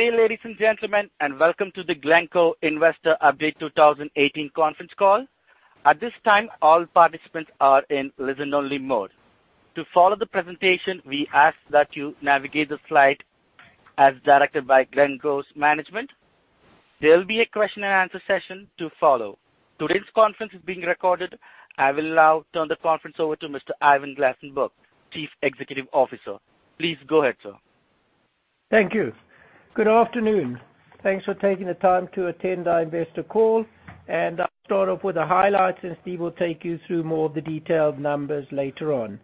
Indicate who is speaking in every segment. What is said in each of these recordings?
Speaker 1: Good day, ladies and gentlemen, welcome to the Glencore Investor Update 2018 conference call. At this time, all participants are in listen only mode. To follow the presentation, we ask that you navigate the slide as directed by Glencore's management. There'll be a question and answer session to follow. Today's conference is being recorded. I will now turn the conference over to Mr. Ivan Glasenberg, Chief Executive Officer. Please go ahead, sir.
Speaker 2: Thank you. Good afternoon. Thanks for taking the time to attend our investor call, I'll start off with the highlights, Steve will take you through more of the detailed numbers later on.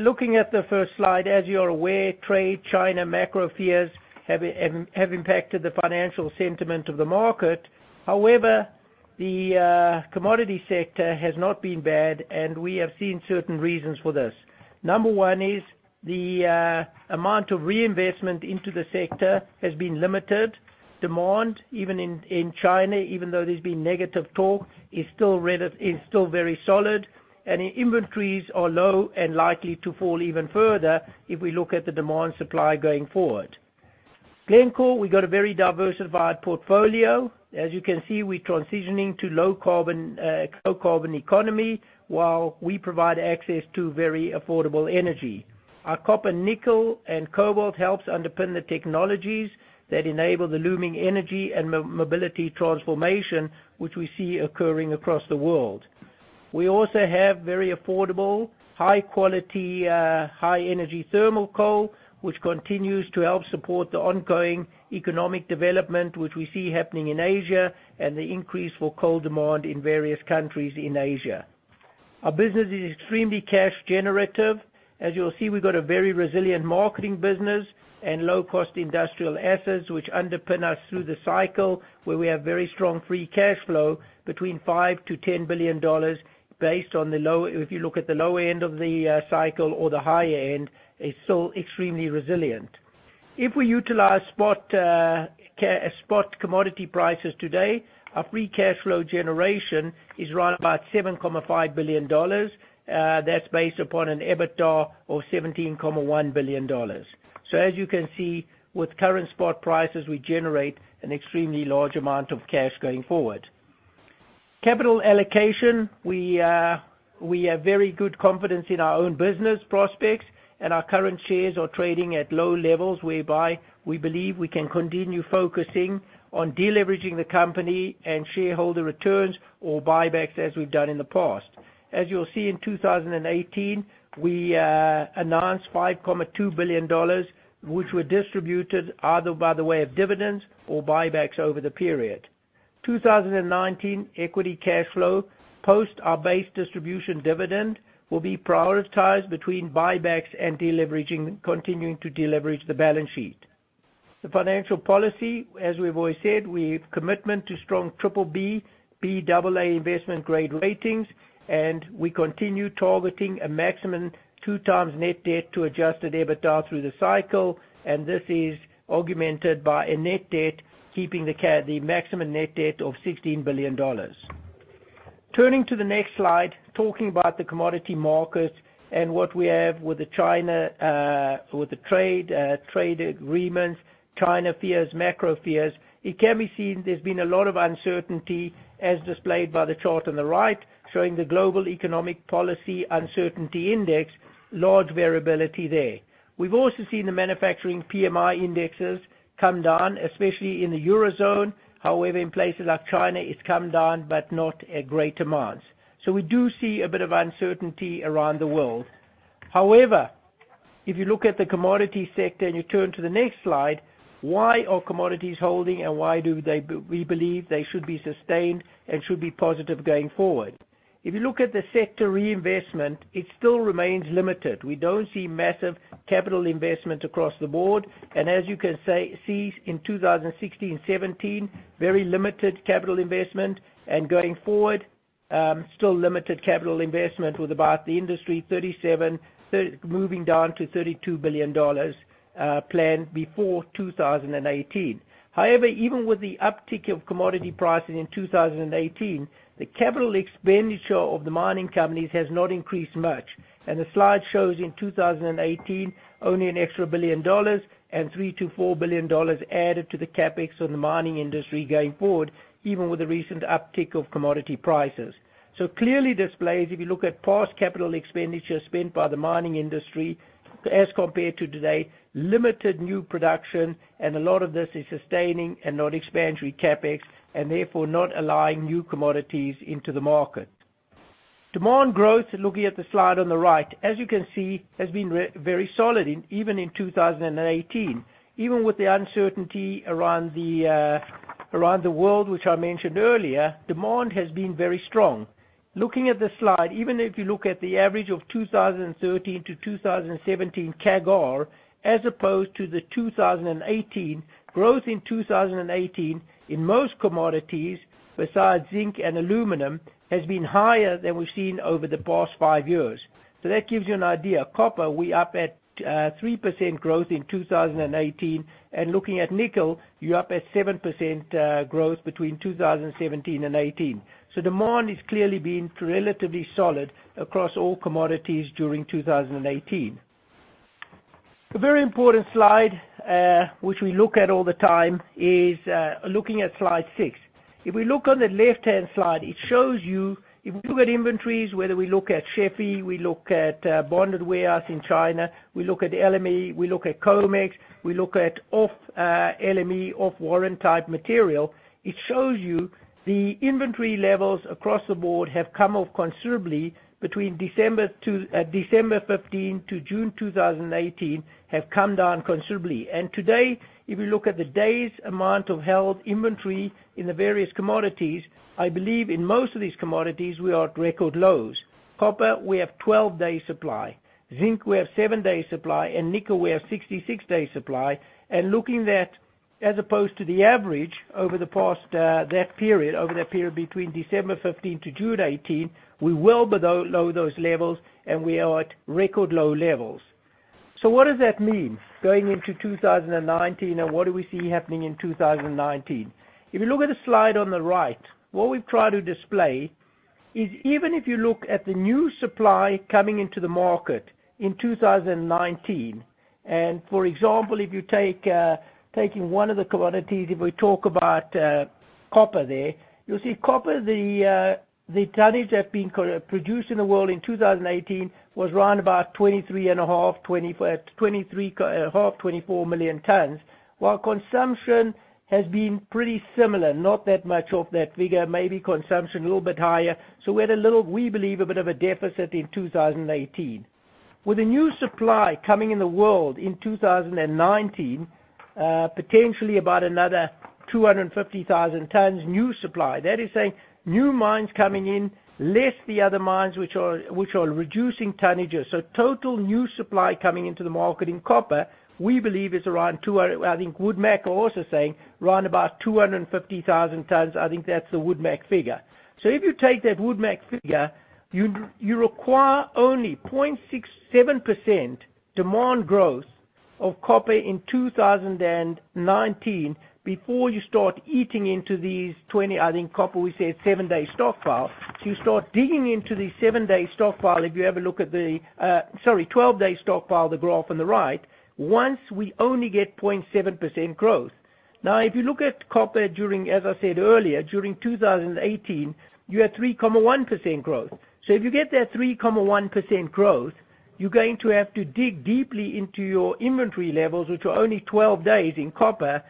Speaker 2: Looking at the first slide, as you are aware, trade, China, macro fears have impacted the financial sentiment of the market. However, the commodity sector has not been bad, we have seen certain reasons for this. Number one is the amount of reinvestment into the sector has been limited. Demand, even in China, even though there's been negative talk, is still very solid, inventories are low and likely to fall even further if we look at the demand/supply going forward. Glencore, we've got a very diversified portfolio. As you can see, we're transitioning to low-carbon economy while we provide access to very affordable energy. Our copper, nickel, cobalt helps underpin the technologies that enable the looming energy, mobility transformation, which we see occurring across the world. We also have very affordable, high quality, high energy thermal coal, which continues to help support the ongoing economic development which we see happening in Asia, the increase for coal demand in various countries in Asia. Our business is extremely cash generative. As you'll see, we've got a very resilient marketing business and low-cost industrial assets, which underpin us through the cycle, where we have very strong free cash flow between $5 billion-$10 billion based on if you look at the lower end of the cycle or the higher end, it's still extremely resilient. If we utilize spot commodity prices today, our free cash flow generation is right about $7.5 billion. That's based upon an EBITDA of $17.1 billion. As you can see, with current spot prices, we generate an extremely large amount of cash going forward. Capital allocation. We have very good confidence in our own business prospects, our current shares are trading at low levels, whereby we believe we can continue focusing on deleveraging the company, shareholder returns or buybacks as we've done in the past. As you'll see in 2018, we announced $5.2 billion, which were distributed either by the way of dividends or buybacks over the period. 2019 equity cash flow post our base distribution dividend will be prioritized between buybacks, continuing to deleverage the balance sheet. The financial policy, as we've always said, we've commitment to strong BBB, Baa investment grade ratings, and we continue targeting a maximum 2x net debt to adjusted EBITDA through the cycle, and this is augmented by a net debt keeping the maximum net debt of $16 billion. Turning to the next slide, talking about the commodity markets and what we have with the trade agreements, China fears, macro fears. It can be seen there's been a lot of uncertainty as displayed by the chart on the right, showing the global economic policy uncertainty index, large variability there. We've also seen the manufacturing PMI indexes come down, especially in the Eurozone. However, in places like China, it's come down, but not a great amount. We do see a bit of uncertainty around the world. If you look at the commodity sector and you turn to the next slide, why are commodities holding and why do we believe they should be sustained and should be positive going forward? If you look at the sector reinvestment, it still remains limited. We don't see massive capital investment across the board, and as you can see in 2016 and 2017, very limited capital investment and going forward, still limited capital investment with about the industry $37 billion, moving down to $32 billion planned before 2018. However, even with the uptick of commodity pricing in 2018, the capital expenditure of the mining companies has not increased much. The slide shows in 2018, only an extra $1 billion and $3 billion-$4 billion added to the CapEx on the mining industry going forward, even with the recent uptick of commodity prices. It clearly displays, if you look at past capital expenditure spent by the mining industry as compared to today, limited new production, and a lot of this is sustaining and not expansion CapEx, and therefore not allowing new commodities into the market. Demand growth, looking at the slide on the right, as you can see, has been very solid even in 2018. Even with the uncertainty around the world, which I mentioned earlier, demand has been very strong. Looking at the slide, even if you look at the average of 2013 to 2017 CAGR as opposed to the 2018, growth in 2018 in most commodities besides zinc and aluminum, has been higher than we've seen over the past five years. That gives you an idea. Copper, we up at 3% growth in 2018. Looking at nickel, you're up at 7% growth between 2017 and 2018. Demand has clearly been relatively solid across all commodities during 2018. A very important slide, which we look at all the time is, looking at slide six. If we look on the left-hand slide, it shows you if we look at inventories, whether we look at SHFE, we look at bonded warehouse in China, we look at LME, we look at COMEX, we look at off LME, off-warrant type material. It shows you the inventory levels across the board have come off considerably between December 2015 to June 2018, have come down considerably. Today, if you look at the days amount of held inventory in the various commodities, I believe in most of these commodities, we are at record lows. Copper, we have 12 days supply. Zinc, we have seven days supply, and nickel, we have 66 days supply. Looking that as opposed to the average over the past, that period, over that period between December 15 to June 18, we are well below those levels and we are at record low levels. What does that mean going into 2019 and what do we see happening in 2019? If you look at the slide on the right, what we've tried to display is even if you look at the new supply coming into the market in 2019, for example, if you taking one of the commodities, if we talk about copper there, you'll see copper, the tonnage that been produced in the world in 2018 was around about 23.5 million-24 million tons. While consumption has been pretty similar, not that much of that figure, maybe consumption a little bit higher. We had a little, we believe, a bit of a deficit in 2018. With the new supply coming in the world in 2019, potentially about another 250,000 tons new supply. That is saying new mines coming in, less the other mines which are reducing tonnages. Total new supply coming into the market in copper, we believe is around, I think WoodMac are also saying around about 250,000 tons. I think that's the WoodMac figure. If you take that WoodMac figure, you require only 0.67% demand growth of copper in 2019 before you start eating into these 20, I think copper, we said 7-day stockpile. You start digging into the 7-day stockpile if you have a look at the, sorry, 12-day stockpile, the graph on the right, once we only get 0.7% growth. If you look at copper during, as I said earlier, during 2018, you had 3.1% growth. If you get that 3.1% growth, you're going to have to dig deeply into your inventory levels, which are only 12 days in copper,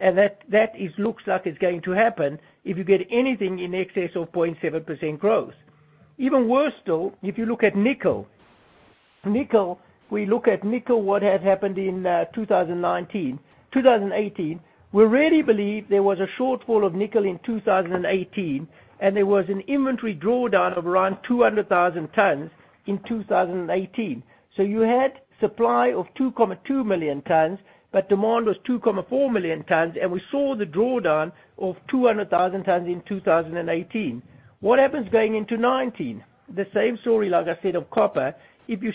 Speaker 2: and that it looks like it's going to happen if you get anything in excess of 0.7% growth. Even worse though, if you look at nickel. Nickel, we look at nickel, what had happened in 2019, 2018. We really believe there was a shortfall of nickel in 2018, and there was an inventory drawdown of around 200,000 tons in 2018. You had supply of 2.2 million tons, but demand was 2.4 million tons, and we saw the drawdown of 200,000 tons in 2018. What happens going into 2019? The same story, like I said, of copper. If you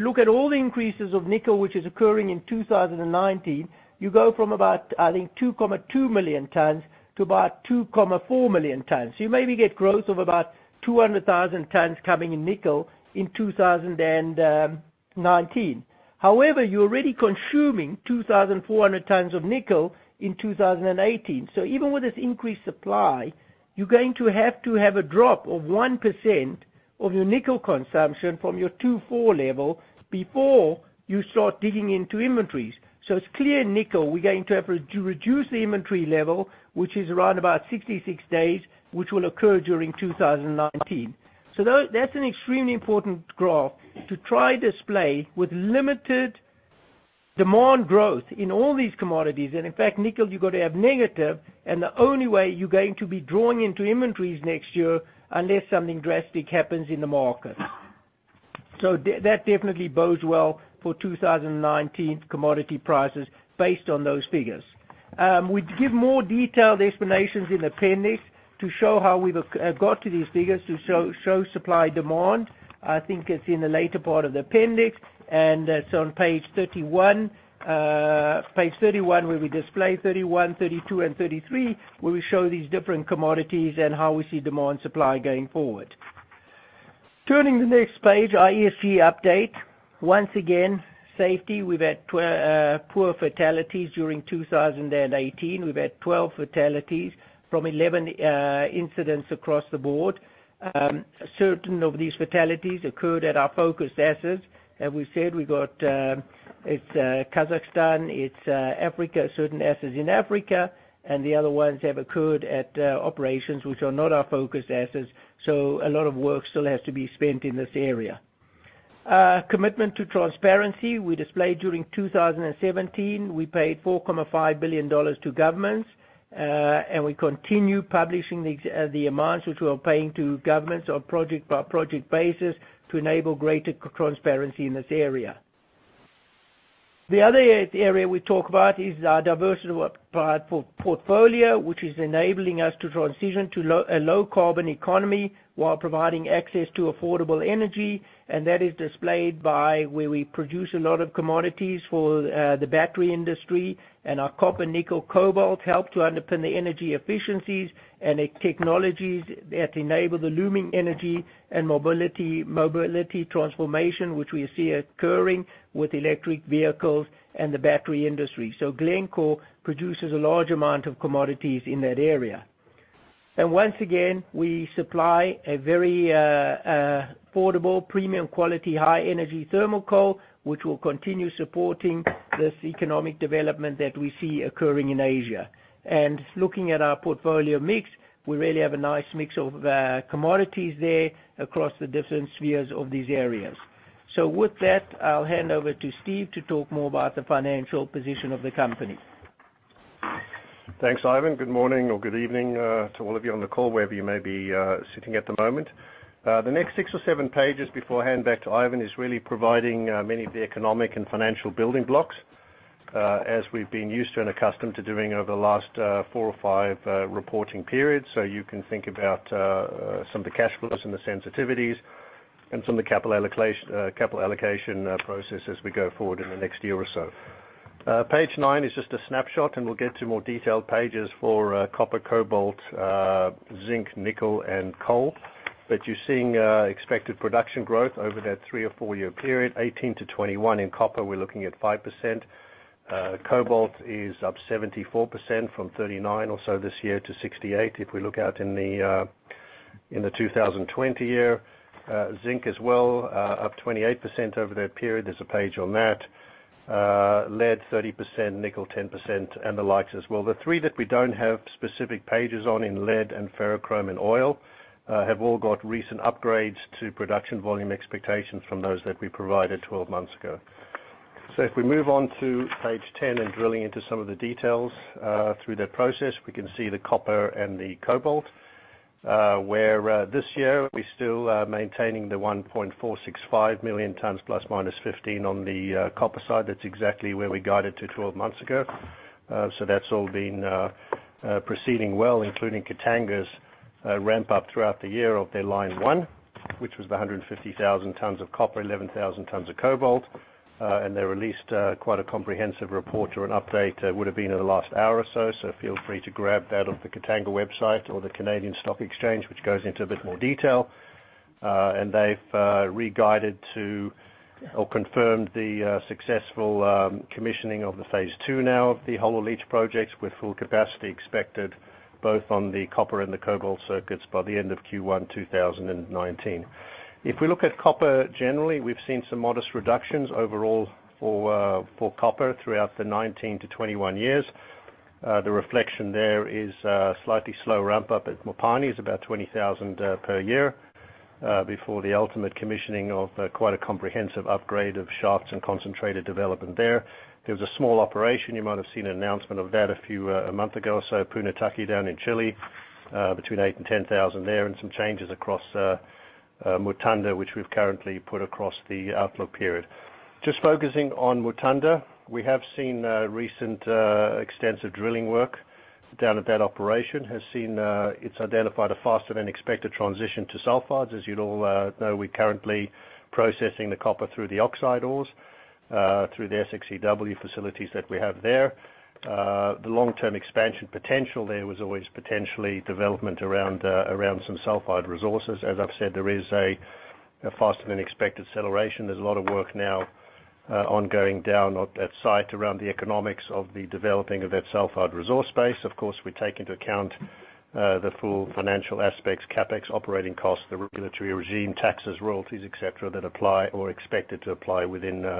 Speaker 2: look at all the increases of nickel which is occurring in 2019, you go from about, I think 2.2 million tons to about 2.4 million tons. You maybe get growth of about 200,000 tons coming in nickel in 2019. However, you're already consuming 2,400 tons of nickel in 2018. Even with this increased supply, you're going to have to have a drop of 1% of your nickel consumption from your 2.4 level before you start digging into inventories. It's clear nickel, we're going to have to reduce the inventory level, which is around about 66 days, which will occur during 2019. That's an extremely important graph to try display with limited demand growth in all these commodities. In fact, nickel you've got to have negative and the only way you're going to be drawing into inventories next year, unless something drastic happens in the market. That definitely bodes well for 2019 commodity prices based on those figures. We give more detailed explanations in appendix to show how we have got to these figures to show supply demand. I think it is in the later part of the appendix, and that is on page 31. Page 31, where we display 31, 32 and 33, where we show these different commodities and how we see demand supply going forward. Turning to the next page, HSEC update. Once again, safety, we have had four fatalities during 2018. We have had 12 fatalities from 11 incidents across the board. Certain of these fatalities occurred at our focused assets. As we have said, we got, it is Kazakhstan, it is Africa, certain assets in Africa, and the other ones have occurred at operations which are not our focused assets, a lot of work still has to be spent in this area. Commitment to transparency, we displayed during 2017, we paid $4.5 billion to governments, we continue publishing the amounts which we are paying to governments on project-by-project basis to enable greater transparency in this area. The other area we talk about is our diversified portfolio, which is enabling us to transition to a low carbon economy while providing access to affordable energy. That is displayed by where we produce a lot of commodities for the battery industry and our copper, nickel, cobalt help to underpin the energy efficiencies and the technologies that enable the looming energy and mobility transformation, which we see occurring with electric vehicles and the battery industry. Glencore produces a large amount of commodities in that area. Once again, we supply a very affordable, premium quality, high energy thermal coal, which will continue supporting this economic development that we see occurring in Asia. Looking at our portfolio mix, we really have a nice mix of commodities there across the different spheres of these areas. With that, I will hand over to Steve to talk more about the financial position of the company.
Speaker 3: Thanks, Ivan. Good morning or good evening, to all of you on the call, wherever you may be sitting at the moment. The next six or seven pages before I hand back to Ivan is really providing many of the economic and financial building blocks, as we have been used to and accustomed to doing over the last four or five reporting periods. You can think about some of the cash flows and the sensitivities and some of the capital allocation processes as we go forward in the next year or so. Page nine is just a snapshot, we will get to more detailed pages for copper, cobalt, zinc, nickel, and coal. You are seeing expected production growth over that three or four-year period, 2018 to 2021. In copper, we are looking at 5%. Cobalt is up 74% from 39% or so this year to 68% if we look out in the 2020. Zinc as well, up 28% over that period. There's a page on that. Lead 30%, nickel 10%, and the likes as well. The three that we don't have specific pages on in lead and ferrochrome and oil, have all got recent upgrades to production volume expectations from those that we provided 12 months ago. If we move on to page 10 and drilling into some of the details through that process, we can see the copper and the cobalt. Where this year we're still maintaining the 1.465 million tons ±15% on the copper side. That's exactly where we guided to 12 months ago. That's all been proceeding well, including Katanga's ramp-up throughout the year of their line one, which was the 150,000 tons of copper, 11,000 tons of cobalt. They released quite a comprehensive report or an update, would have been in the last hour or so. Feel free to grab that off the Katanga website or the Toronto Stock Exchange, which goes into a bit more detail. They've re-guided to or confirmed the successful commissioning of the phase 2 now of the whole of leach projects, with full capacity expected both on the copper and the cobalt circuits by the end of Q1 2019. If we look at copper, generally, we've seen some modest reductions overall for copper throughout the 2019-2021 years. The reflection there is a slightly slow ramp-up at Mopani is about 20,000 per year, before the ultimate commissioning of quite a comprehensive upgrade of shafts and concentrated development there. There was a small operation. You might have seen an announcement of that a month ago or so, Punitaqui down in Chile, between 8,000-10,000 there, and some changes across Mutanda, which we've currently put across the outlook period. Just focusing on Mutanda, we have seen recent extensive drilling work down at that operation. It's identified a faster-than-expected transition to sulfides. As you'd all know, we're currently processing the copper through the oxide ores, through the SXEW facilities that we have there. The long-term expansion potential there was always potentially development around some sulfide resources. As I've said, there is a faster-than-expected acceleration. There's a lot of work now ongoing down at site around the economics of the developing of that sulfide resource base. Of course, we take into account the full financial aspects, CapEx, operating costs, the regulatory regime, taxes, royalties, et cetera, that apply or are expected to apply within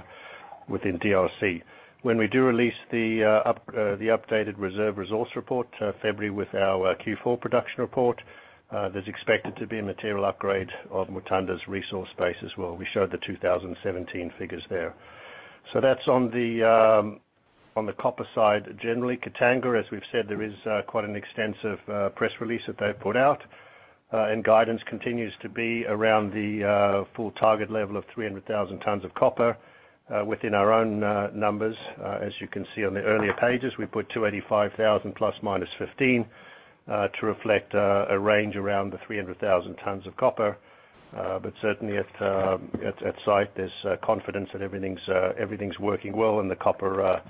Speaker 3: DRC. When we do release the updated reserve resource report February with our Q4 production report, there's expected to be a material upgrade of Mutanda's resource base as well. We showed the 2017 figures there. That's on the copper side. Generally, Katanga, as we've said, there is quite an extensive press release that they've put out. Guidance continues to be around the full target level of 300,000 tons of copper within our own numbers. As you can see on the earlier pages, we put 285,000 ±15%, to reflect a range around the 300,000 tons of copper. Certainly at site, there's confidence that everything's working well and the copper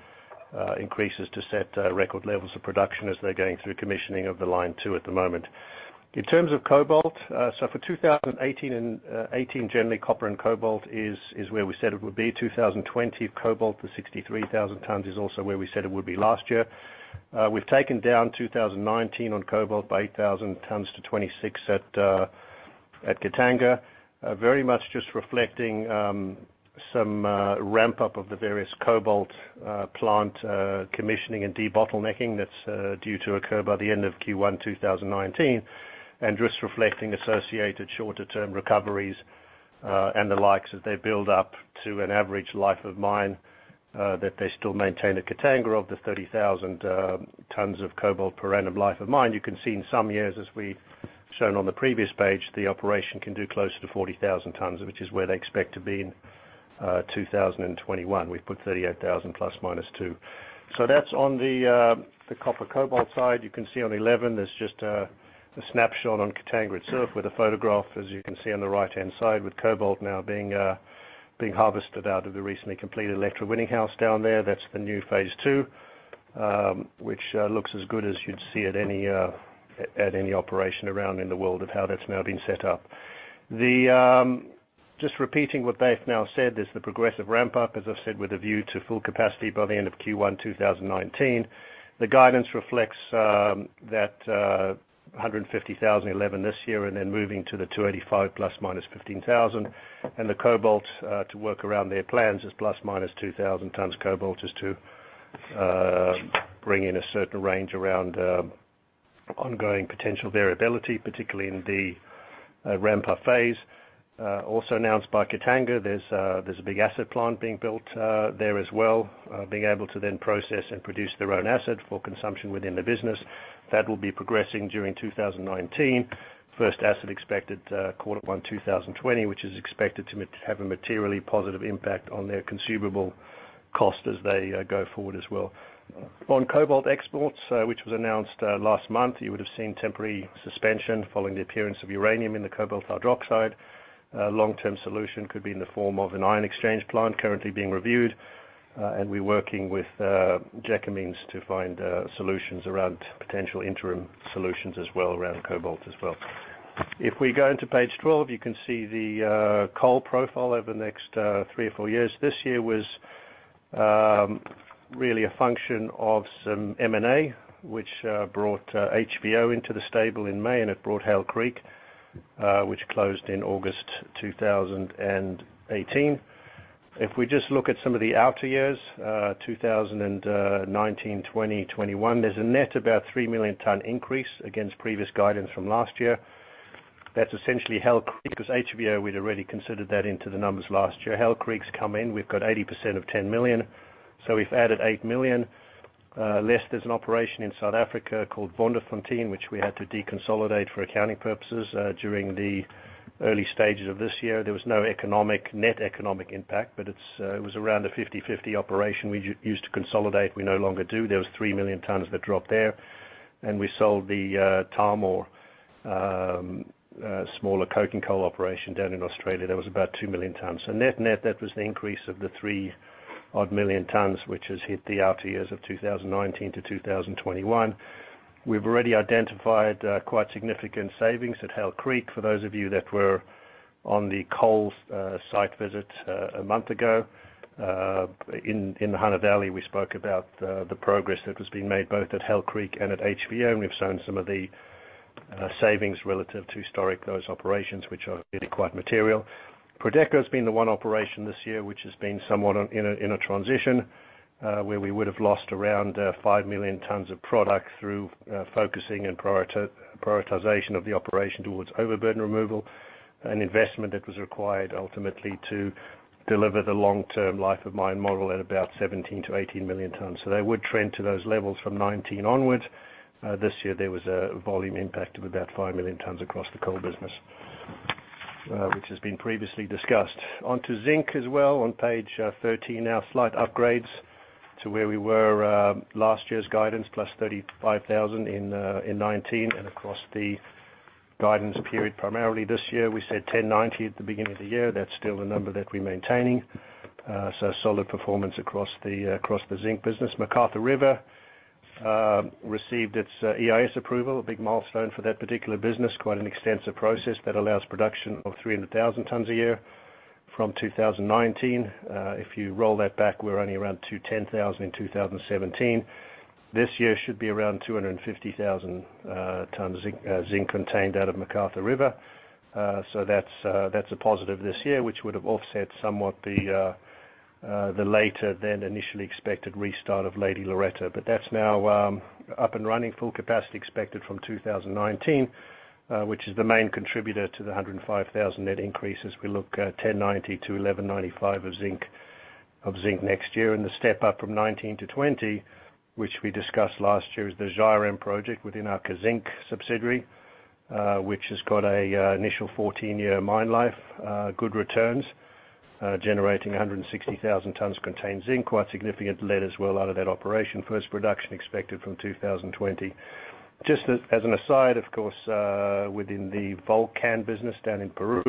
Speaker 3: increases to set record levels of production as they're going through commissioning of the line 2 at the moment. In terms of cobalt, for 2018, generally copper and cobalt is where we said it would be. 2020 cobalt, the 63,000 tons is also where we said it would be last year. We've taken down 2019 on cobalt by 8,000 tons to 26,000 at Katanga. Very much just reflecting some ramp-up of the various cobalt plant commissioning and debottlenecking that's due to occur by the end of Q1 2019, and just reflecting associated shorter-term recoveries, and the likes as they build up to an average life of mine, that they still maintain at Katanga of the 30,000 tons of cobalt per annum life of mine. You can see in some years, as we've shown on the previous page, the operation can do closer to 40,000 tons, which is where they expect to be in 2021. We've put 38,000 ±2. That's on the copper-cobalt side. You can see on 11, there's just a snapshot on Katanga itself with a photograph, as you can see on the right-hand side, with cobalt now being harvested out of the recently completed electrowinning house down there. That's the new phase 2, which looks as good as you'd see at any operation around in the world of how that's now been set up. Just repeating what they've now said, there's the progressive ramp up, as I've said, with a view to full capacity by the end of Q1 2019. The guidance reflects that 150,000 11 this year and then moving to the 285,000 ±15,000. The cobalt to work around their plans is ±2,000 tons cobalt, just to bring in a certain range around ongoing potential variability, particularly in the ramp-up phase. Also announced by Katanga, there's a big acid plant being built there as well, being able to then process and produce their own acid for consumption within the business. That will be progressing during 2019. First acid expected Q1 2020, which is expected to have a materially positive impact on their consumable cost as they go forward as well. Cobalt exports, which was announced last month, you would have seen temporary suspension following the appearance of uranium in the cobalt hydroxide. Long-term solution could be in the form of an ion exchange plant currently being reviewed. We're working with Gécamines to find solutions around potential interim solutions as well around cobalt as well. We go into page 12, you can see the coal profile over the next three or four years. This year was really a function of some M&A, which brought HVO into the stable in May, and it brought Hail Creek, which closed in August 2018. We just look at some of the outer years, 2019, 2021, there's a net about 3 million ton increase against previous guidance from last year. That's essentially Hail Creek, because HVO, we'd already considered that into the numbers last year. Hail Creek's come in. We've got 80% of 10 million, so we've added 8 million. Less, there's an operation in South Africa called Goedgevonden, which we had to deconsolidate for accounting purposes during the early stages of this year. It was no net economic impact, it was around a 50/50 operation we used to consolidate. We no longer do. There was three million tons of a drop there. We sold the Tahmoor, a smaller coking coal operation down in Australia. There was about two million tons. Net, that was the increase of the three odd million tons, which has hit the outer years of 2019 to 2021. We've already identified quite significant savings at Hail Creek. For those of you that were on the coal site visit a month ago in Hunter Valley, we spoke about the progress that was being made both at Hail Creek and at HVO, and we've shown some of the savings relative to historic those operations, which are really quite material. Prodeco has been the one operation this year which has been somewhat in a transition, where we would have lost around five million tons of product through focusing and prioritization of the operation towards overburden removal, an investment that was required ultimately to deliver the long-term life of mine model at about 17-18 million tons. They would trend to those levels from 2019 onwards. This year, there was a volume impact of about five million tons across the coal business, which has been previously discussed. Onto zinc as well on page 13 now. Slight upgrades to where we were last year's guidance, +35,000 in 2019 and across the guidance period primarily this year. We said 1090 at the beginning of the year. That's still the number that we're maintaining. Solid performance across the zinc business. McArthur River received its EIS approval, a big milestone for that particular business. Quite an extensive process that allows production of 300,000 tons a year from 2019. If you roll that back, we're only around 210,000 in 2017. This year should be around 250,000 tons of zinc contained out of McArthur River. That's a positive this year, which would have offset somewhat the later than initially expected restart of Lady Loretta. That's now up and running. Full capacity expected from 2019, which is the main contributor to the 105,000 net increase as we look at 1090-1195 of zinc next year. The step up from 2019 to 2020, which we discussed last year, is the Zhairem project within our Kazzinc subsidiary, which has got an initial 14-year mine life. Good returns, generating 160,000 tons contained zinc. Quite significant lead as well out of that operation. First production expected from 2020. Just as an aside, of course, within the Volcan business down in Peru,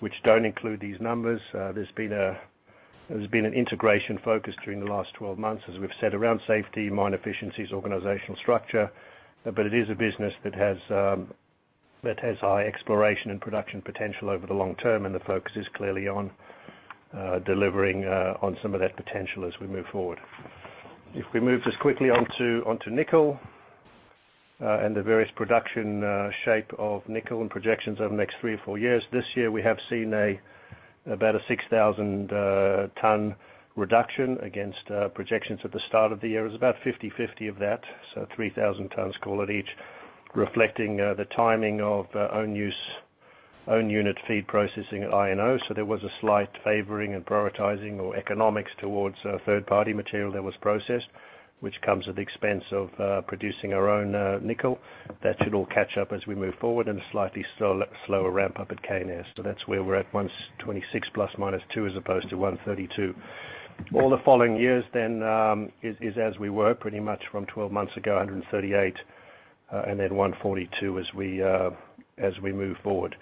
Speaker 3: which don't include these numbers, there's been an integration focus during the last 12 months, as we've said, around safety, mine efficiencies, organizational structure. It is a business that has high exploration and production potential over the long term, and the focus is clearly on delivering on some of that potential as we move forward. If we move just quickly onto nickel and the various production shape of nickel and projections over the next three or four years. This year, we have seen about a 6,000 ton reduction against projections at the start of the year. It was about 50/50 of that, so 3,000 tons call it each, reflecting the timing of own use, own unit feed processing at INO. There was a slight favoring and prioritizing or economics towards third-party material that was processed, which comes at the expense of producing our own nickel. That should all catch up as we move forward and a slightly slower ramp up at Koniambo. That's where we're at, 126 ±2 as opposed to 132. All the following years then is as we were pretty much from 12 months ago, 138, and then 142 as we move forward.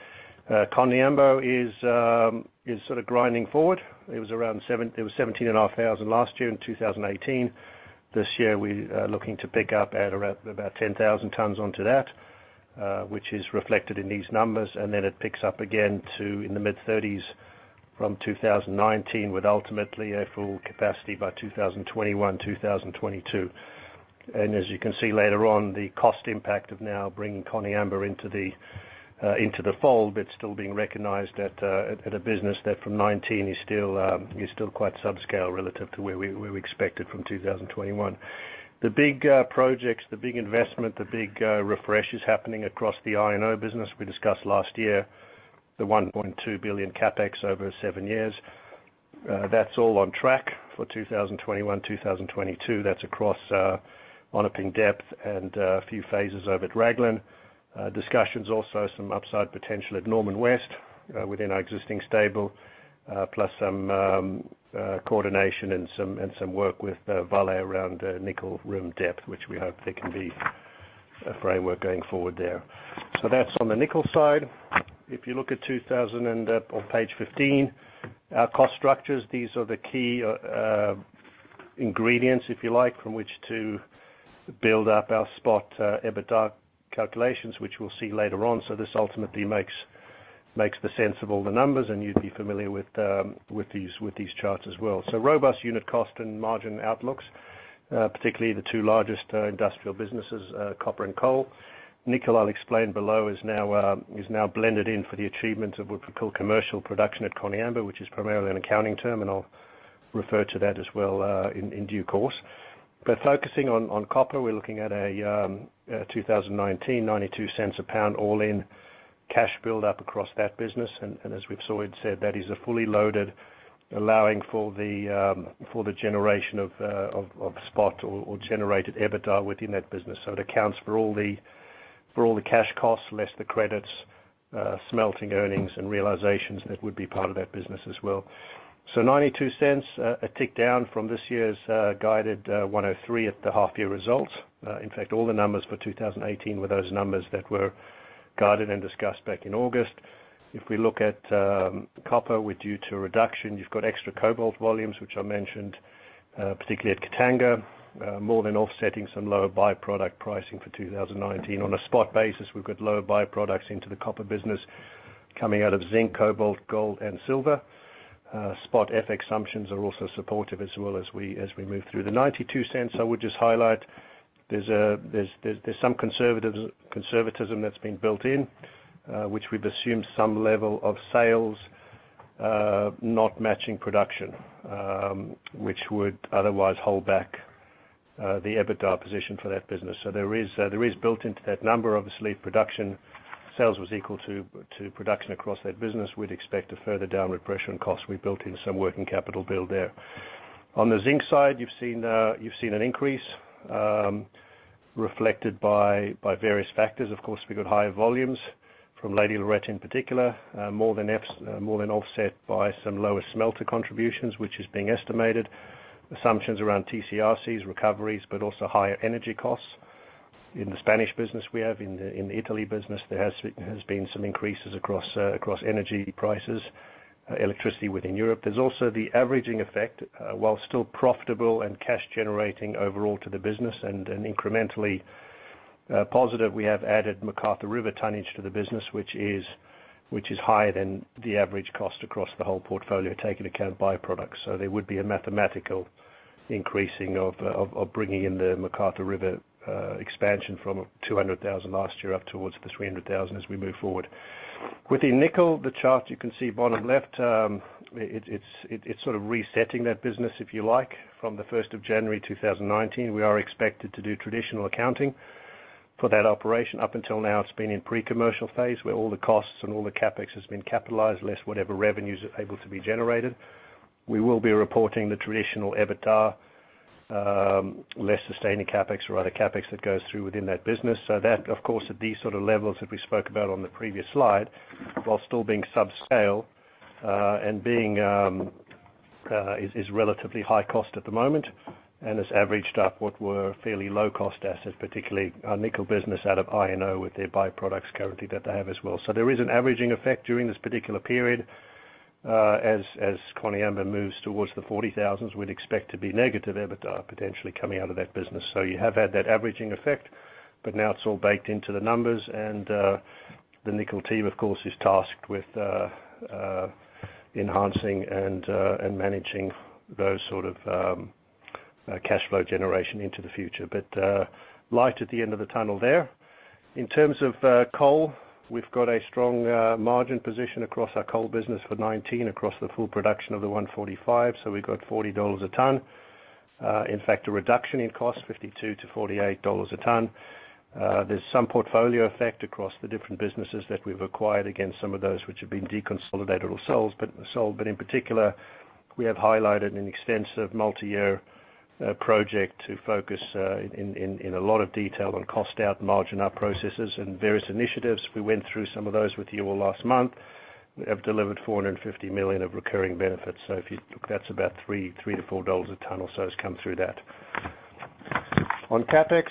Speaker 3: Koniambo is sort of grinding forward. It was 17,500 last year in 2018. This year, we're looking to pick up at about 10,000 tons onto that. Which is reflected in these numbers, and then it picks up again to in the mid-30s from 2019, with ultimately a full capacity by 2021, 2022. As you can see later on, the cost impact of now bringing Koniambo into the fold, but still being recognized at a business that from 2019 is still quite subscale relative to where we expected from 2021. The big projects, the big investment, the big refreshes happening across the INO business we discussed last year, the $1.2 billion CapEx over seven years. That's all on track for 2021, 2022. That's across Onaping Depth and a few phases over at Raglan. Discussions also, some upside potential at Norman West within our existing stable, plus some coordination and some work with Vale around Nickel Rim Depth, which we hope there can be a framework going forward there. That's on the nickel side. If you look at 2000 and on page 15, our cost structures, these are the key ingredients, if you like, from which to build up our spot EBITDA calculations, which we'll see later on. This ultimately makes the sense of all the numbers, and you'd be familiar with these charts as well. Robust unit cost and margin outlooks, particularly the two largest industrial businesses, copper and coal. Nickel, I'll explain below, is now blended in for the achievement of what we call commercial production at Koniambo, which is primarily an accounting term, and I'll refer to that as well in due course. Focusing on copper, we're looking at a 2019, $0.92 a pound all-in cash build-up across that business. As we've always said, that is a fully loaded, allowing for the generation of spot or generated EBITDA within that business. It accounts for all the cash costs less the credits, smelting earnings, and realizations that would be part of that business as well. $0.92, a tick down from this year's guided $1.03 at the half-year results. In fact, all the numbers for 2018 were those numbers that were guided and discussed back in August. If we look at copper, we're due to a reduction. You've got extra cobalt volumes, which I mentioned, particularly at Katanga, more than offsetting some lower by-product pricing for 2019. On a spot basis, we've got lower by-products into the copper business coming out of zinc, cobalt, gold, and silver. Spot FX assumptions are also supportive as well as we move through. The $0.92, I would just highlight, there's some conservatism that's been built in, which we've assumed some level of sales not matching production, which would otherwise hold back the EBITDA position for that business. There is built into that number, obviously, if production sales was equal to production across that business, we'd expect a further downward pressure on cost. We built in some working capital build there. On the zinc side, you've seen an increase reflected by various factors. Of course, we've got higher volumes from Lady Loretta in particular, more than offset by some lower smelter contributions, which is being estimated. Assumptions around TCRCs, recoveries, but also higher energy costs. In the Spanish business we have, in the Italy business, there has been some increases across energy prices, electricity within Europe. There's also the averaging effect, while still profitable and cash generating overall to the business and incrementally positive, we have added McArthur River tonnage to the business, which is higher than the average cost across the whole portfolio, taking account of by-products. There would be a mathematical increasing of bringing in the McArthur River expansion from 200,000 last year up towards the 300,000 as we move forward. Within nickel, the chart you can see bottom left, it's sort of resetting that business, if you like. From the 1st of January 2019, we are expected to do traditional accounting for that operation. Up until now, it's been in pre-commercial phase, where all the costs and all the CapEx has been capitalized, less whatever revenues are able to be generated. We will be reporting the traditional EBITDA, less sustaining CapEx or other CapEx that goes through within that business. That, of course, at these sort of levels that we spoke about on the previous slide, while still being subscale, and is relatively high cost at the moment, and has averaged up what were fairly low-cost assets, particularly our nickel business out of INO with their by-products currently that they have as well. There is an averaging effect during this particular period. As Koniambo moves towards the 40,000, we'd expect to be negative EBITDA potentially coming out of that business. You have had that averaging effect, but now it's all baked into the numbers. The nickel team, of course, is tasked with enhancing and managing those sort of cash flow generation into the future. Light at the end of the tunnel there. In terms of coal, we've got a strong margin position across our coal business for 2019 across the full production of the 145. We've got $40 a ton. In fact, a reduction in cost, $52 to $48 a ton. There's some portfolio effect across the different businesses that we've acquired against some of those which have been deconsolidated or sold. In particular, we have highlighted an extensive multi-year project to focus in a lot of detail on cost out, margin up processes and various initiatives. We went through some of those with you all last month. We have delivered $450 million of recurring benefits. If you look, that's about $3 to $4 a ton or so has come through that. On CapEx,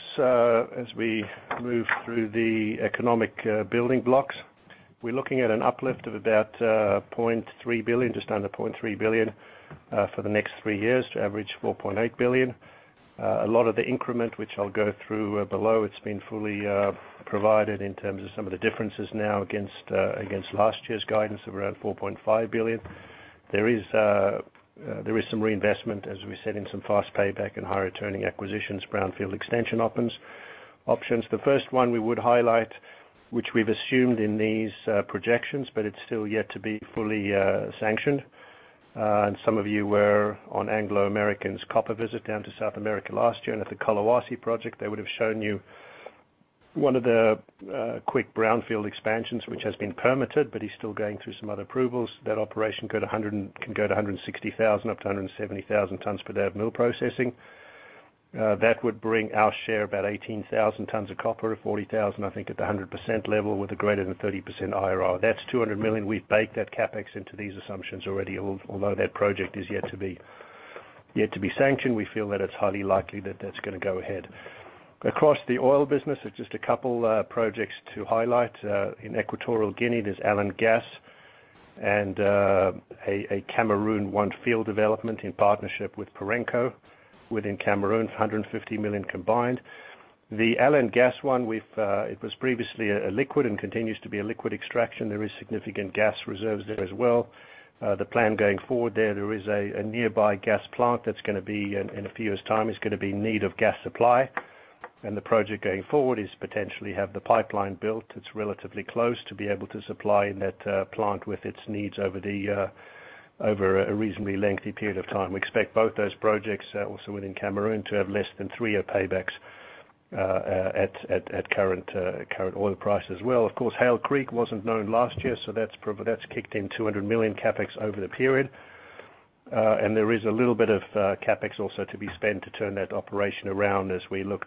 Speaker 3: as we move through the economic building blocks. We're looking at an uplift of about just under $0.3 billion for the next three years to average $4.8 billion. A lot of the increment, which I'll go through below, it's been fully provided in terms of some of the differences now against last year's guidance of around $4.5 billion. There is some reinvestment, as we said, in some fast payback and high-returning acquisitions, brownfield extension options. The first one we would highlight, which we've assumed in these projections, but it's still yet to be fully sanctioned. Some of you were on Anglo American's copper visit down to South America last year, and at the Collahuasi project, they would have shown you one of the quick brownfield expansions, which has been permitted, but is still going through some other approvals. That operation can go to 160,000 up to 170,000 tons per day of mill processing. That would bring our share about 18,000 tons of copper to 40,000, I think, at the 100% level with a greater than 30% IRR. That's $200 million. We've baked that CapEx into these assumptions already. Although that project is yet to be sanctioned, we feel that it's highly likely that that's going to go ahead. Across the oil business, it's just a couple projects to highlight. In Equatorial Guinea, there's Alen Gas and a Cameroon one field development in partnership with Perenco within Cameroon for $150 million combined. The Alen Gas one, it was previously a liquid and continues to be a liquid extraction. There is significant gas reserves there as well. The plan going forward there is a nearby gas plant that's going to be, in a few years' time, is going to be in need of gas supply. The project going forward is potentially have the pipeline built. It's relatively close to be able to supply that plant with its needs over a reasonably lengthy period of time. We expect both those projects, also within Cameroon, to have less than three-year paybacks at current oil price as well. Of course, Hail Creek wasn't known last year, so that's kicked in $200 million CapEx over the period. There is a little bit of CapEx also to be spent to turn that operation around as we look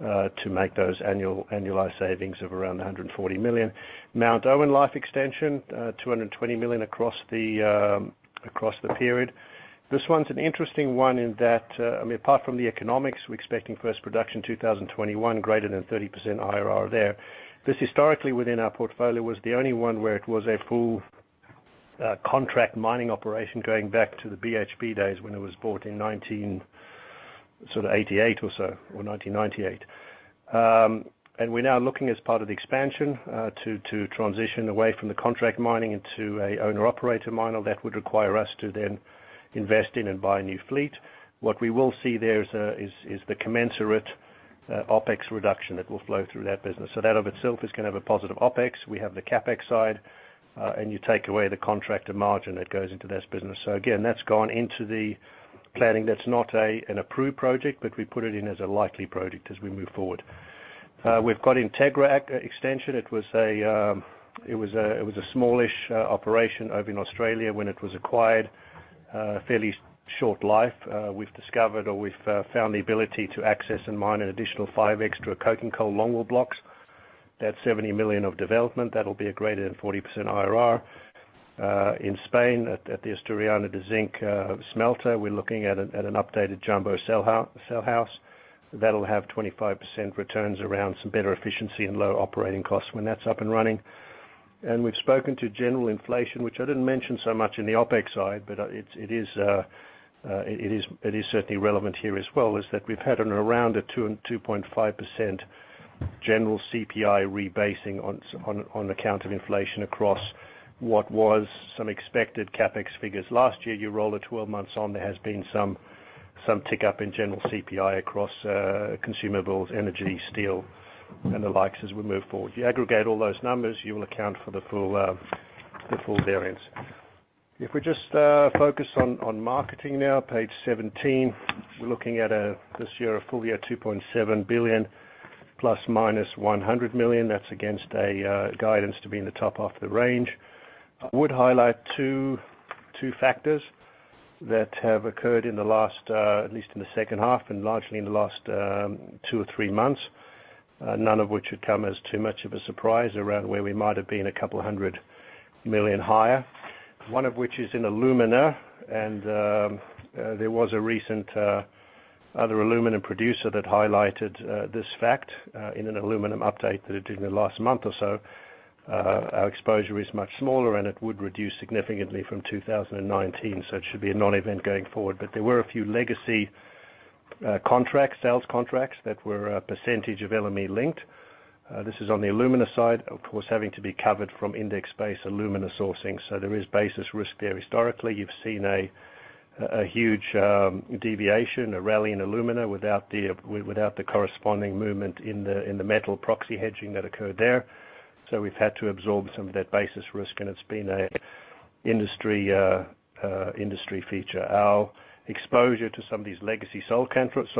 Speaker 3: to make those annualized savings of around $140 million. Mount Owen life extension, $220 million across the period. This one's an interesting one in that, apart from the economics, we're expecting first production 2021, greater than 30% IRR there. This historically within our portfolio was the only one where it was a full contract mining operation going back to the BHP days when it was bought in 1988 or so, or 1998. We're now looking as part of the expansion to transition away from the contract mining into an owner-operator miner. That would require us to then invest in and buy a new fleet. What we will see there is the commensurate OpEx reduction that will flow through that business. That of itself is going to have a positive OpEx. We have the CapEx side, you take away the contractor margin that goes into this business. Again, that's gone into the planning. That's not an approved project, but we put it in as a likely project as we move forward. We've got Integra extension. It was a smallish operation over in Australia when it was acquired, fairly short life. We've discovered or we've found the ability to access and mine an additional five extra coking coal longwall blocks. That's $70 million of development. That'll be a greater than 40% IRR. In Spain at the Asturiana de Zinc smelter, we're looking at an updated jumbo cell house. That'll have 25% returns around some better efficiency and lower operating costs when that's up and running. We've spoken to general inflation, which I didn't mention so much in the OpEx side, but it is certainly relevant here as well, is that we've had around a 2%-2.5% general CPI rebasing on account of inflation across what was some expected CapEx figures. Last year, you roll it 12 months on, there has been some tick up in general CPI across consumables, energy, steel, and the likes as we move forward. You aggregate all those numbers, you will account for the full variance. We just focus on marketing now, page 17, we're looking at, this year, a full year $2.7 billion ±$100 million. That's against a guidance to be in the top half of the range. I would highlight two factors that have occurred in the last, at least in the second half and largely in the last two or three months, none of which would come as too much of a surprise around where we might have been $200 million higher. One of which is in alumina, there was a recent other aluminum producer that highlighted this fact in an aluminum update that it did in the last month or so. Our exposure is much smaller, it would reduce significantly from 2019, so it should be a non-event going forward. There were a few legacy sales contracts that were a percentage of LME-linked. This is on the alumina side, of course, having to be covered from index-based alumina sourcing. There is basis risk there historically. You've seen a huge deviation, a rally in alumina without the corresponding movement in the metal proxy hedging that occurred there. We've had to absorb some of that basis risk, and it's been an industry feature. Our exposure to some of these legacy sales contracts,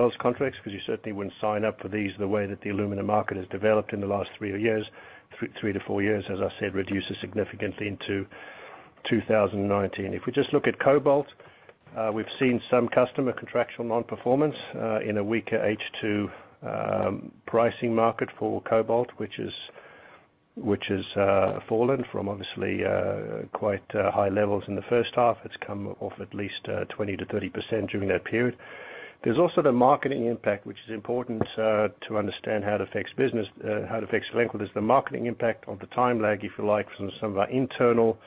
Speaker 3: because you certainly wouldn't sign up for these the way that the alumina market has developed in the last three to four years, as I said, reduces significantly into 2019. We just look at cobalt, we've seen some customer contractual non-performance in a weaker H2 pricing market for cobalt, which has fallen from obviously quite high levels in the first half. It's come off at least 20%-30% during that period. There's also the marketing impact, which is important to understand how it affects Glencore. There's the marketing impact of the time lag, if you like, from some of our internal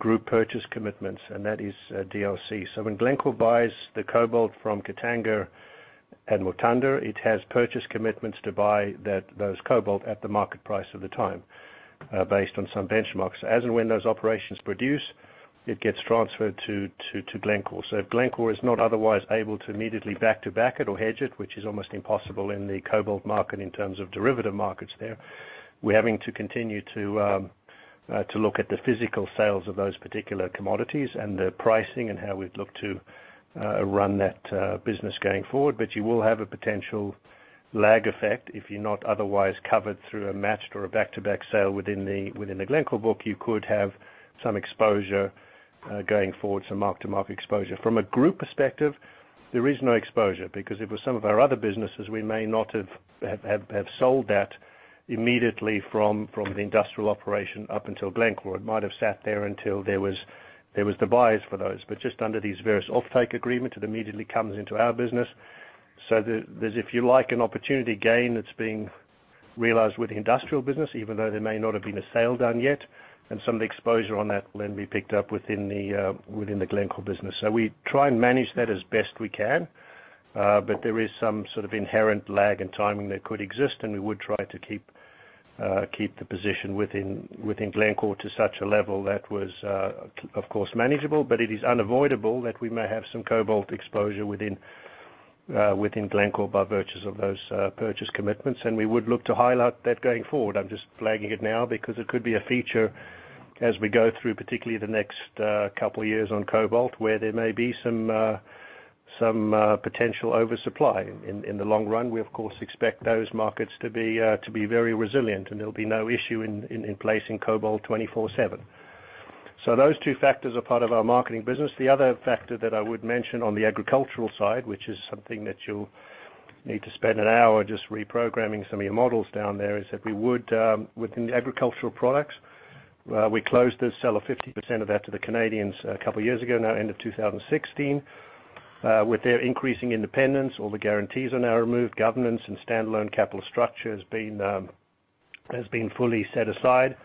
Speaker 3: group purchase commitments, and that is DLC. When Glencore buys the cobalt from Katanga and Mutanda, it has purchase commitments to buy those cobalt at the market price of the time, based on some benchmarks. As and when those operations produce, it gets transferred to Glencore. If Glencore is not otherwise able to immediately back to back it or hedge it, which is almost impossible in the cobalt market in terms of derivative markets there, we're having to continue to look at the physical sales of those particular commodities and the pricing and how we'd look to run that business going forward. You will have a potential lag effect if you're not otherwise covered through a matched or a back-to-back sale within the Glencore book, you could have some exposure going forward, some mark-to-market exposure. From a group perspective, there is no exposure because it was some of our other businesses we may not have sold that immediately from the industrial operation up until Glencore. It might have sat there until there was the buyers for those. Just under these various offtake agreement, it immediately comes into our business. There's, if you like, an opportunity gain that's being realized with the industrial business, even though there may not have been a sale done yet. Some of the exposure on that will then be picked up within the Glencore business. We try and manage that as best we can, there is some sort of inherent lag in timing that could exist, and we would try to keep the position within Glencore to such a level that was, of course, manageable. It is unavoidable that we may have some cobalt exposure within Glencore by virtues of those purchase commitments. We would look to highlight that going forward. I'm just flagging it now because it could be a feature as we go through, particularly the next couple of years on cobalt, where there may be some potential oversupply. In the long run, we of course, expect those markets to be very resilient, and there'll be no issue in placing cobalt 24 seven. Those two factors are part of our marketing business. The other factor that I would mention on the agricultural side, which is something that you'll need to spend an hour just reprogramming some of your models down there is that we would, within the agricultural products, we closed the sale of 50% of that to the Canadians a couple of years ago now, end of 2016. With their increasing independence, all the guarantees are now removed. Governance and standalone capital structure has been fully set aside.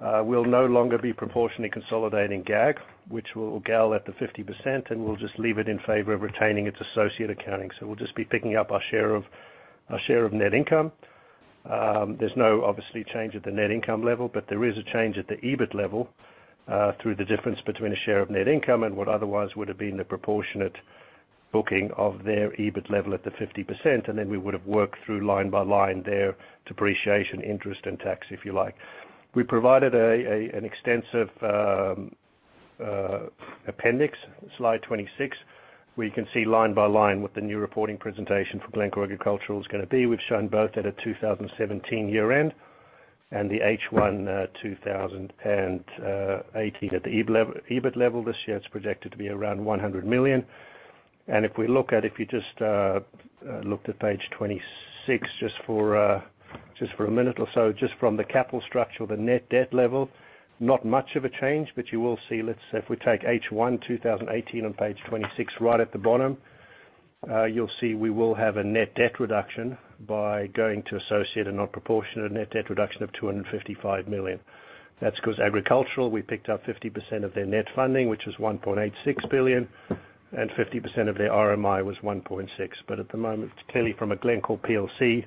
Speaker 3: We'll no longer be proportionally consolidating GAG, which will GAL at the 50%, and we'll just leave it in favor of retaining its associate accounting. We'll just be picking up our share of net income. There's no, obviously, change at the net income level, there is a change at the EBIT level, through the difference between a share of net income and what otherwise would have been the proportionate booking of their EBIT level at the 50%. Then we would have worked through line by line their depreciation, interest, and tax, if you like. We provided an extensive appendix, slide 26, where you can see line by line what the new reporting presentation for Glencore Agricultural is going to be. We've shown both at a 2017 year-end and the H1 2018 at the EBIT level. This year, it's projected to be around $100 million. If you just looked at page 26 just for a minute or so, just from the capital structure, the net debt level, not much of a change, you will see, if we take H1 2018 on page 26 right at the bottom, you'll see we will have a net debt reduction by going to associate a not proportionate net debt reduction of $255 million. That's because Glencore Agricultural, we picked up 50% of their net funding, which was $1.86 billion, and 50% of their RMI was $1.6 billion. At the moment, clearly from a Glencore plc,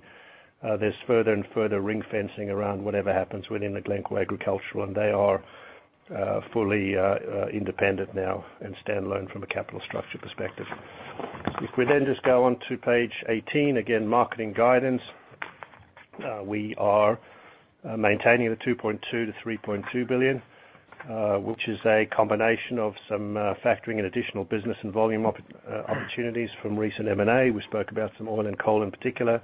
Speaker 3: there's further and further ring fencing around whatever happens within the Glencore Agricultural Products, and they are fully independent now and stand alone from a capital structure perspective. Just go on to page 18, again, marketing guidance. We are maintaining the $2.2 billion-$3.2 billion, which is a combination of some factoring and additional business and volume opportunities from recent M&A. We spoke about some oil and coal in particular,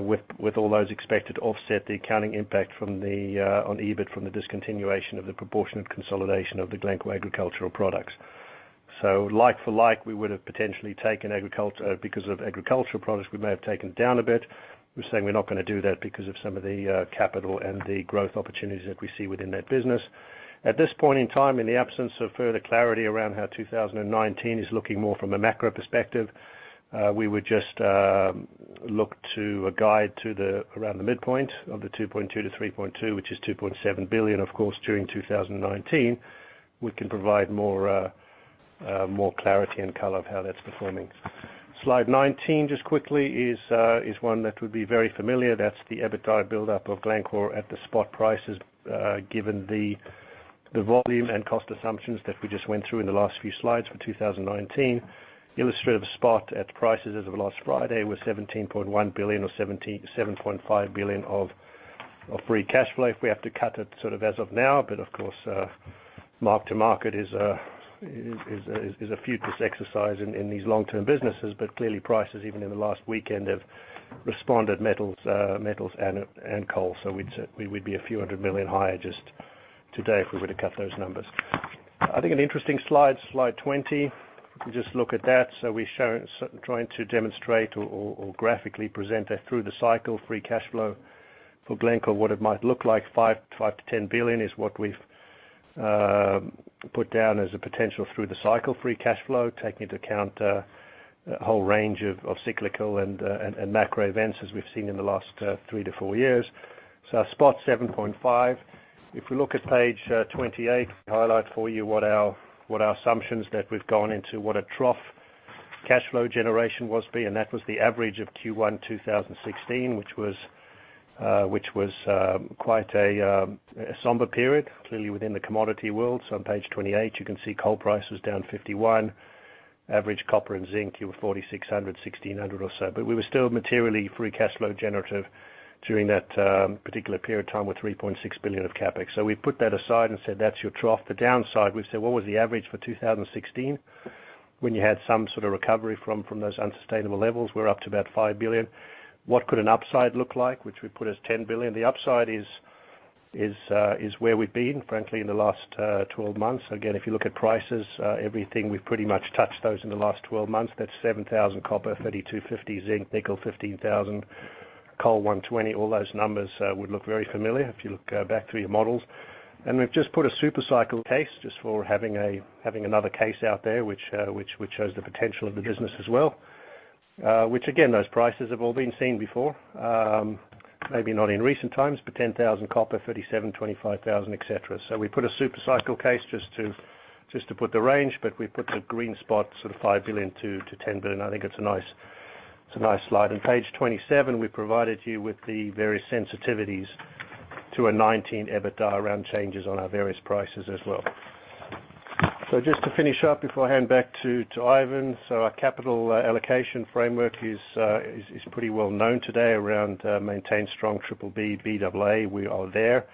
Speaker 3: with all those expected to offset the accounting impact on EBIT from the discontinuation of the proportionate consolidation of the Glencore Agricultural Products. Like for like, because of Glencore Agricultural Products, we may have taken down a bit. We're saying we're not going to do that because of some of the capital and the growth opportunities that we see within that business. At this point in time, in the absence of further clarity around how 2019 is looking more from a macro perspective, we would just look to a guide to around the midpoint of the $2.2 billion-$3.2 billion, which is $2.7 billion. During 2019, we can provide more clarity and color of how that's performing. Slide 19, just quickly, is one that would be very familiar. That's the EBITDA buildup of Glencore at the spot prices, given the volume and cost assumptions that we just went through in the last few slides for 2019. Illustrative spot at prices as of last Friday was $17.1 billion or $7.5 billion of free cash flow. We have to cut it as of now, of course, mark to market is a futile exercise in these long-term businesses. Clearly prices, even in the last weekend, have responded, metals and coal. We'd be a few hundred million USD higher just today if we were to cut those numbers. I think an interesting slide 20. If you just look at that. We're trying to demonstrate or graphically present that through the cycle, free cash flow for Glencore, what it might look like, $5 billion-$10 billion is what we've put down as a potential through the cycle-free cash flow, taking into account a whole range of cyclical and macro events as we've seen in the last three to four years. Our spot is $7.5 billion. If we look at page 28, we highlight for you what our assumptions that we've gone into, what a trough cash flow generation was B, and that was the average of Q1 2016, which was quite a somber period, clearly within the commodity world. On page 28, you can see coal price was down 51%. Average copper and zinc, you were $4,600, $1,600 or so. We were still materially free cash flow generative during that particular period of time with $3.6 billion of CapEx. We put that aside and said, that's your trough. The downside, we said, what was the average for 2016 when you had some sort of recovery from those unsustainable levels? We're up to about $5 billion. What could an upside look like? Which we put as $10 billion. The upside is where we've been, frankly, in the last 12 months. Again, if you look at prices, everything, we've pretty much touched those in the last 12 months. That's $7,000 copper, $3,250 zinc, nickel $15,000, coal $120. All those numbers would look very familiar if you look back through your models. We've just put a super cycle case just for having another case out there, which shows the potential of the business as well. Which again, those prices have all been seen before. Maybe not in recent times, but $10,000 copper, 37, 25,000, et cetera. We put a super cycle case just to put the range, but we put the green spot $5 billion-$10 billion. I think it's a nice slide. On page 27, we've provided you with the various sensitivities to a 2019 EBITDA around changes on our various prices as well. Just to finish up before I hand back to Ivan. Our capital allocation framework is pretty well known today around maintain strong BBB, Baa. We are there.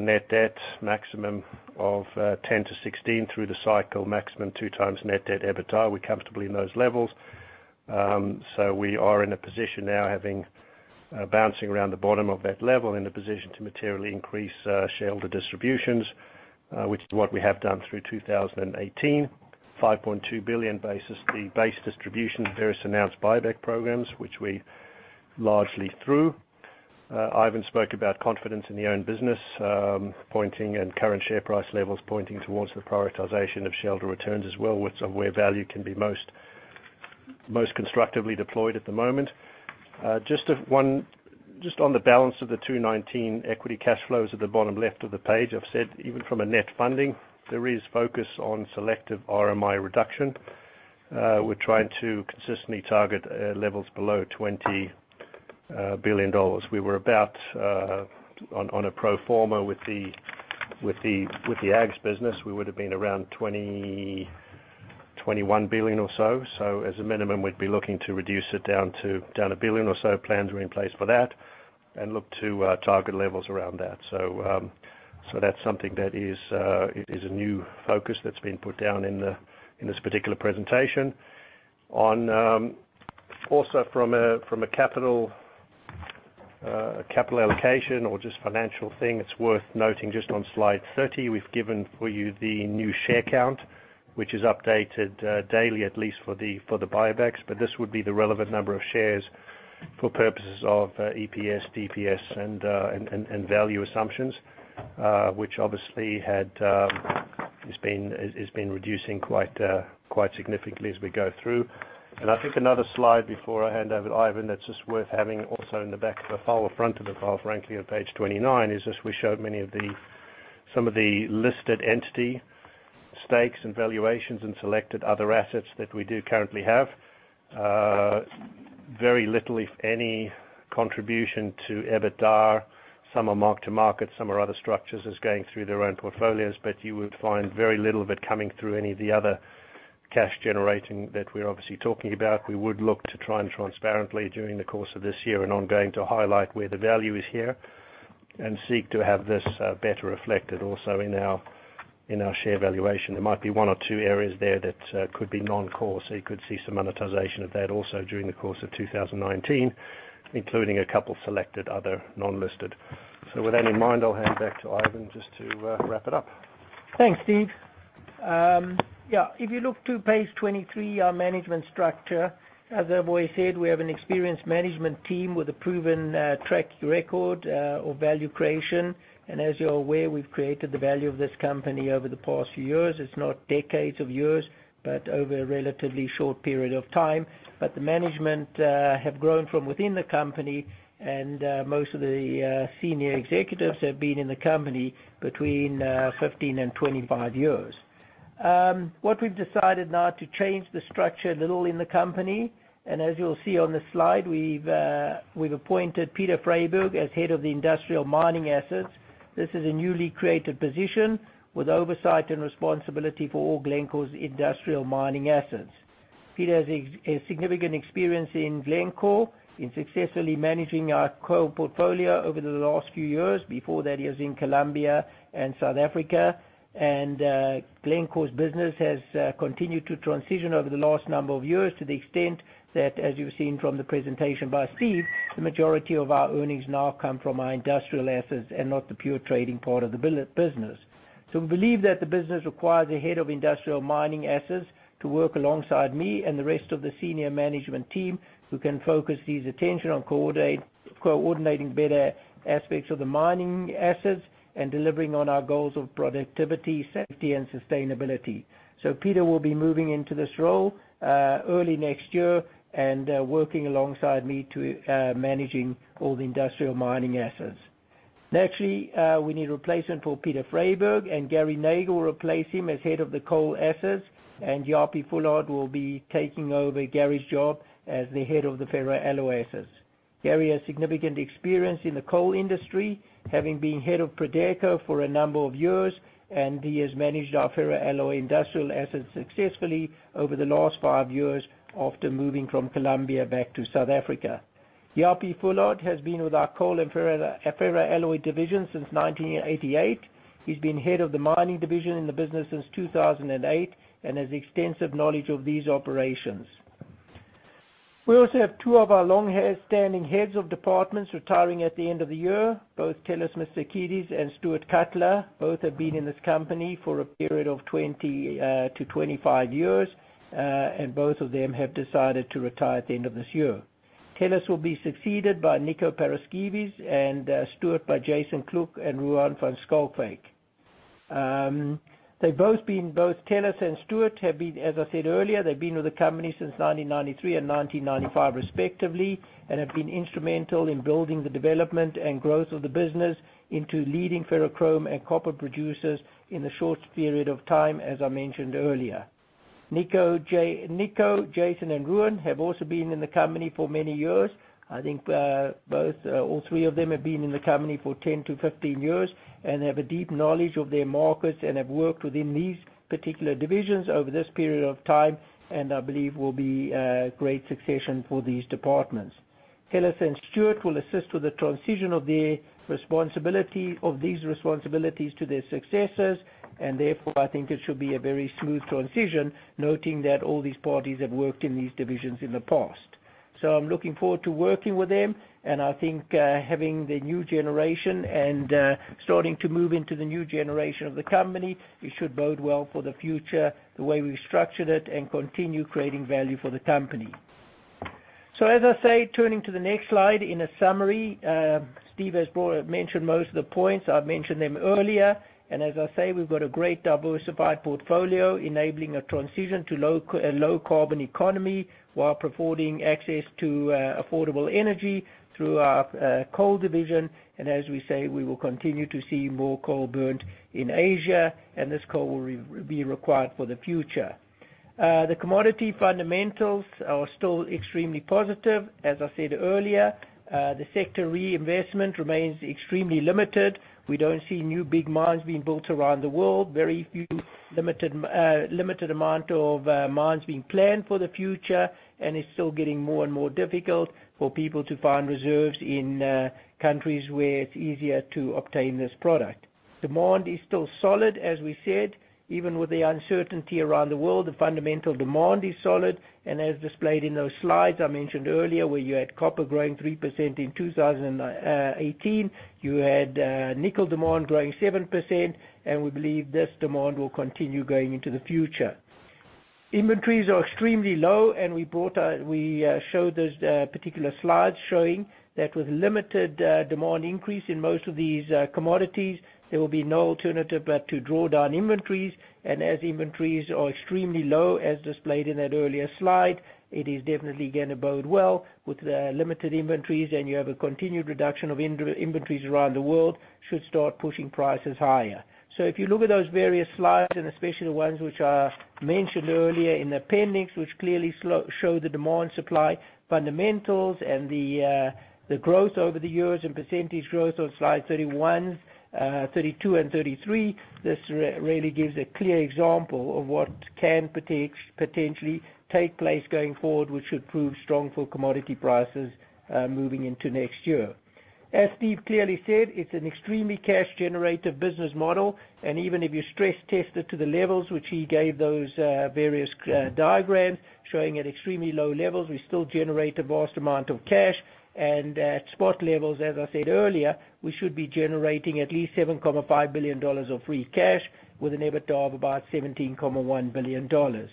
Speaker 3: Net debt maximum of $10 billion-$16 billion through the cycle maximum 2 times net debt, EBITDA. We're comfortably in those levels. We are in a position now having bouncing around the bottom of that level in a position to materially increase shareholder distributions, which is what we have done through 2018. $5.2 billion basis, the base distribution, various announced buyback programs, which we largely through. Ivan spoke about confidence in the own business and current share price levels pointing towards the prioritization of shareholder returns as well, where value can be most constructively deployed at the moment. Just on the balance of the 2019 equity cash flows at the bottom left of the page, I've said even from a net funding, there is focus on selective RMI reduction. We're trying to consistently target levels below $20 billion. We were about on a pro forma with the Glencore Agricultural Products business, we would've been around $20 billion-$21 billion or so. As a minimum, we'd be looking to reduce it down $1 billion or so. Plans are in place for that and look to target levels around that. That's something that is a new focus that's been put down in this particular presentation. From a capital allocation or just financial thing, it's worth noting just on slide 30, we've given for you the new share count, which is updated daily, at least for the buybacks. But this would be the relevant number of shares for purposes of EPS, DPS and value assumptions, which obviously has been reducing quite significantly as we go through. I think another slide before I hand over to Ivan that's just worth having also in the back of the file, front of the file, frankly, on page 29, is just we showed some of the listed entity stakes and valuations and selected other assets that we do currently have. Very little, if any, contribution to EBITDA. Some are mark-to-market, some are other structures as going through their own portfolios. You would find very little of it coming through any of the other cash generating that we're obviously talking about. We would look to try and transparently, during the course of this year and ongoing, to highlight where the value is here and seek to have this better reflected also in our share valuation. There might be one or two areas there that could be non-core. You could see some monetization of that also during the course of 2019, including a couple selected other non-listed. With that in mind, I'll hand back to Ivan just to wrap it up.
Speaker 2: Thanks, Steve. If you look to page 23, our management structure, as I've always said, we have an experienced management team with a proven track record of value creation. As you're aware, we've created the value of this company over the past years. It's not decades of years, but over a relatively short period of time. The management have grown from within the company, and most of the senior executives have been in the company between 15 and 25 years. What we've decided now to change the structure a little in the company, and as you'll see on this slide, we've appointed Peter Freyberg as head of the industrial mining assets. This is a newly created position with oversight and responsibility for all Glencore's industrial mining assets. Peter has a significant experience in Glencore in successfully managing our coal portfolio over the last few years. Before that, he was in Colombia and South Africa. Glencore's business has continued to transition over the last number of years to the extent that, as you've seen from the presentation by Steve, the majority of our earnings now come from our industrial assets and not the pure trading part of the business. We believe that the business requires a head of industrial mining assets to work alongside me and the rest of the senior management team who can focus his attention on coordinating better aspects of the mining assets and delivering on our goals of productivity, safety, and sustainability. Peter will be moving into this role early next year and working alongside me to managing all the industrial mining assets. Naturally, we need a replacement for Peter Freyberg, and Gary Nagle will replace him as head of the coal assets, and Japie Fullard will be taking over Gary's job as the head of the ferroalloy assets. Gary has significant experience in the coal industry, having been head of Prodeco for a number of years, and he has managed our ferroalloy industrial assets successfully over the last five years after moving from Colombia back to South Africa. Japie Fullard has been with our coal and ferroalloy division since 1988. He's been head of the mining division in the business since 2008 and has extensive knowledge of these operations. We also have two of our long-standing heads of departments retiring at the end of the year, both Telis Mistakidis and Stuart Cutler. Both have been in this company for a period of 20 to 25 years, and both of them have decided to retire at the end of this year. Telis will be succeeded by Nico Paraskevas and Stuart by Jason Kluk and Ruan van Schalkwyk. Both Telis and Stuart have been, as I said earlier, they have been with the company since 1993 and 1995 respectively and have been instrumental in building the development and growth of the business into leading ferrochrome and copper producers in a short period of time, as I mentioned earlier. Nico, Jason, and Ruan have also been in the company for many years. I think all three of them have been in the company for 10 to 15 years and have a deep knowledge of their markets and have worked within these particular divisions over this period of time and I believe will be a great succession for these departments. Telis and Stuart will assist with the transition of these responsibilities to their successors, and therefore, I think it should be a very smooth transition, noting that all these parties have worked in these divisions in the past. I am looking forward to working with them and I think having the new generation and starting to move into the new generation of the company, it should bode well for the future, the way we have structured it and continue creating value for the company. As I say, turning to the next slide in a summary, Steve has mentioned most of the points. I have mentioned them earlier, and as I say, we have got a great diversified portfolio enabling a transition to a low-carbon economy while affording access to affordable energy through our coal division. As we say, we will continue to see more coal burnt in Asia, and this coal will be required for the future. The commodity fundamentals are still extremely positive. As I said earlier, the sector reinvestment remains extremely limited. We do not see new big mines being built around the world. Very limited amount of mines being planned for the future, and it is still getting more and more difficult for people to find reserves in countries where it is easier to obtain this product. Demand is still solid, as we said, even with the uncertainty around the world, the fundamental demand is solid, and as displayed in those slides I mentioned earlier, where you had copper growing 3% in 2018, you had nickel demand growing 7%, and we believe this demand will continue going into the future. Inventories are extremely low, and we showed those particular slides showing that with limited demand increase in most of these commodities, there will be no alternative but to draw down inventories. As inventories are extremely low, as displayed in that earlier slide, it is definitely going to bode well with the limited inventories, and you have a continued reduction of inventories around the world should start pushing prices higher. If you look at those various slides, especially the ones which are mentioned earlier in appendix, which clearly show the demand supply fundamentals and the growth over the years and percentage growth on slide 31, 32, and 33, this really gives a clear example of what can potentially take place going forward, which should prove strong for commodity prices moving into next year. As Steve clearly said, it's an extremely cash-generative business model, even if you stress test it to the levels which he gave those various diagrams showing at extremely low levels, we still generate a vast amount of cash. At spot levels, as I said earlier, we should be generating at least $7.5 billion of free cash with an EBITDA of about $17.1 billion.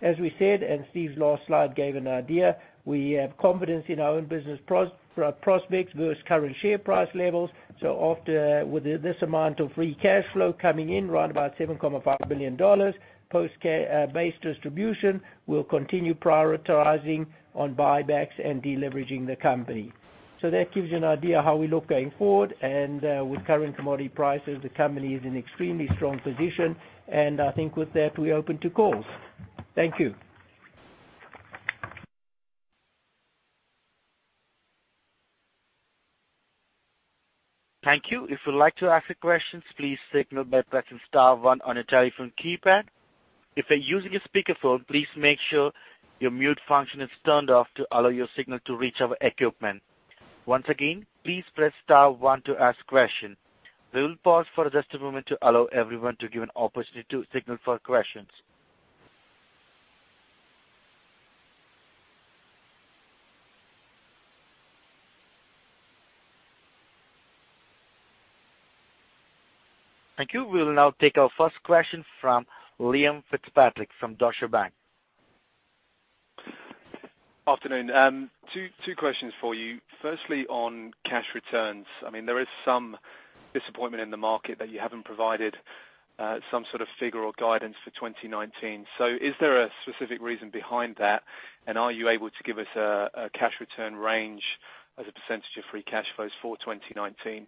Speaker 2: As we said, Steve's last slide gave an idea, we have confidence in our own business prospects versus current share price levels. After with this amount of free cash flow coming in around about $7.5 billion post base distribution, we'll continue prioritizing on buybacks and deleveraging the company. That gives you an idea how we look going forward. With current commodity prices, the company is in extremely strong position. I think with that, we're open to calls. Thank you.
Speaker 1: Thank you. If you'd like to ask a question, please signal by pressing star one on your telephone keypad. If you're using a speakerphone, please make sure your mute function is turned off to allow your signal to reach our equipment. Once again, please press star one to ask question. We will pause for just a moment to allow everyone to give an opportunity to signal for questions. Thank you. We will now take our first question from Liam Fitzpatrick from Deutsche Bank.
Speaker 4: Afternoon. Two questions for you. Firstly, on cash returns, there is some disappointment in the market that you haven't provided Is there a specific reason behind that, and are you able to give us a cash return range as a percentage of free cash flows for 2019?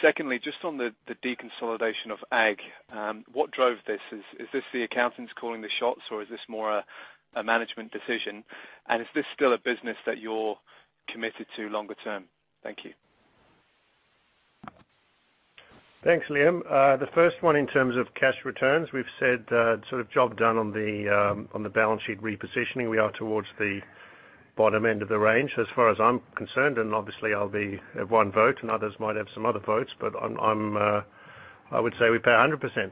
Speaker 4: Secondly, just on the deconsolidation of Ag, what drove this? Is this the accountants calling the shots or is this more a management decision? Is this still a business that you're committed to longer term? Thank you.
Speaker 3: Thanks, Liam. The first one in terms of cash returns, we've said sort of job done on the balance sheet repositioning. We are towards the bottom end of the range as far as I'm concerned, and obviously I'll be one vote, and others might have some other votes, but I would say we pay 100%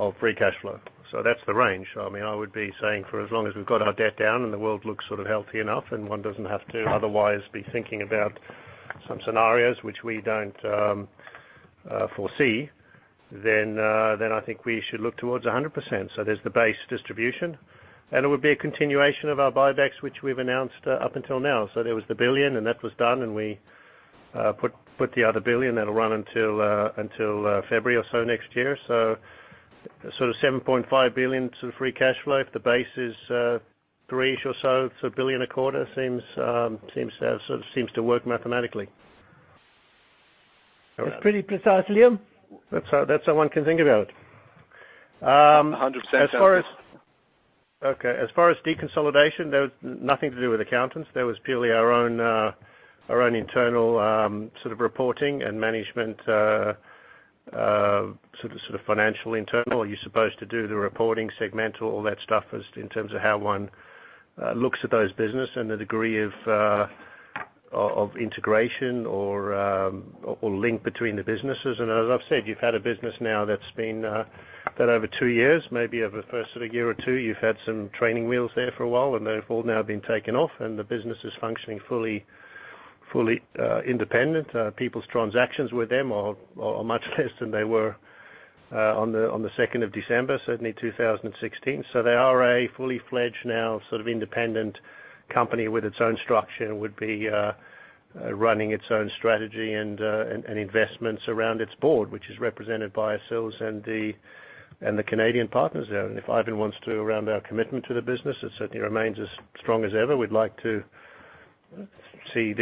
Speaker 3: of free cash flow. That's the range. I would be saying for as long as we've got our debt down and the world looks sort of healthy enough, and one doesn't have to otherwise be thinking about some scenarios which we don't foresee, then I think we should look towards 100%. There's the base distribution, and it would be a continuation of our buybacks, which we've announced up until now. There was the $1 billion, and that was done, and we put the other $1 billion that'll run until February or so next year. Sort of $7.5 billion sort of free cash flow. If the base is 3-ish or so, it's $1 billion a quarter, seems to work mathematically.
Speaker 2: That's pretty precise, Liam.
Speaker 3: That's how one can think about it.
Speaker 4: 100%.
Speaker 3: Okay. As far as deconsolidation, nothing to do with accountants. That was purely our own internal sort of reporting and management, sort of financial internal. You're supposed to do the reporting segmental, all that stuff as in terms of how one looks at those business and the degree of integration or link between the businesses. As I've said, you've had a business now that over two years, maybe over the first sort of year or two, you've had some training wheels there for a while, and they've all now been taken off, and the business is functioning fully independent. People's transactions with them are much less than they were on the 2nd of December, certainly 2016. They are a fully fledged now sort of independent company with its own structure and would be running its own strategy and investments around its board, which is represented by ourselves and the Canadian partners there. If Ivan wants to round our commitment to the business, it certainly remains as strong as ever. We'd like to see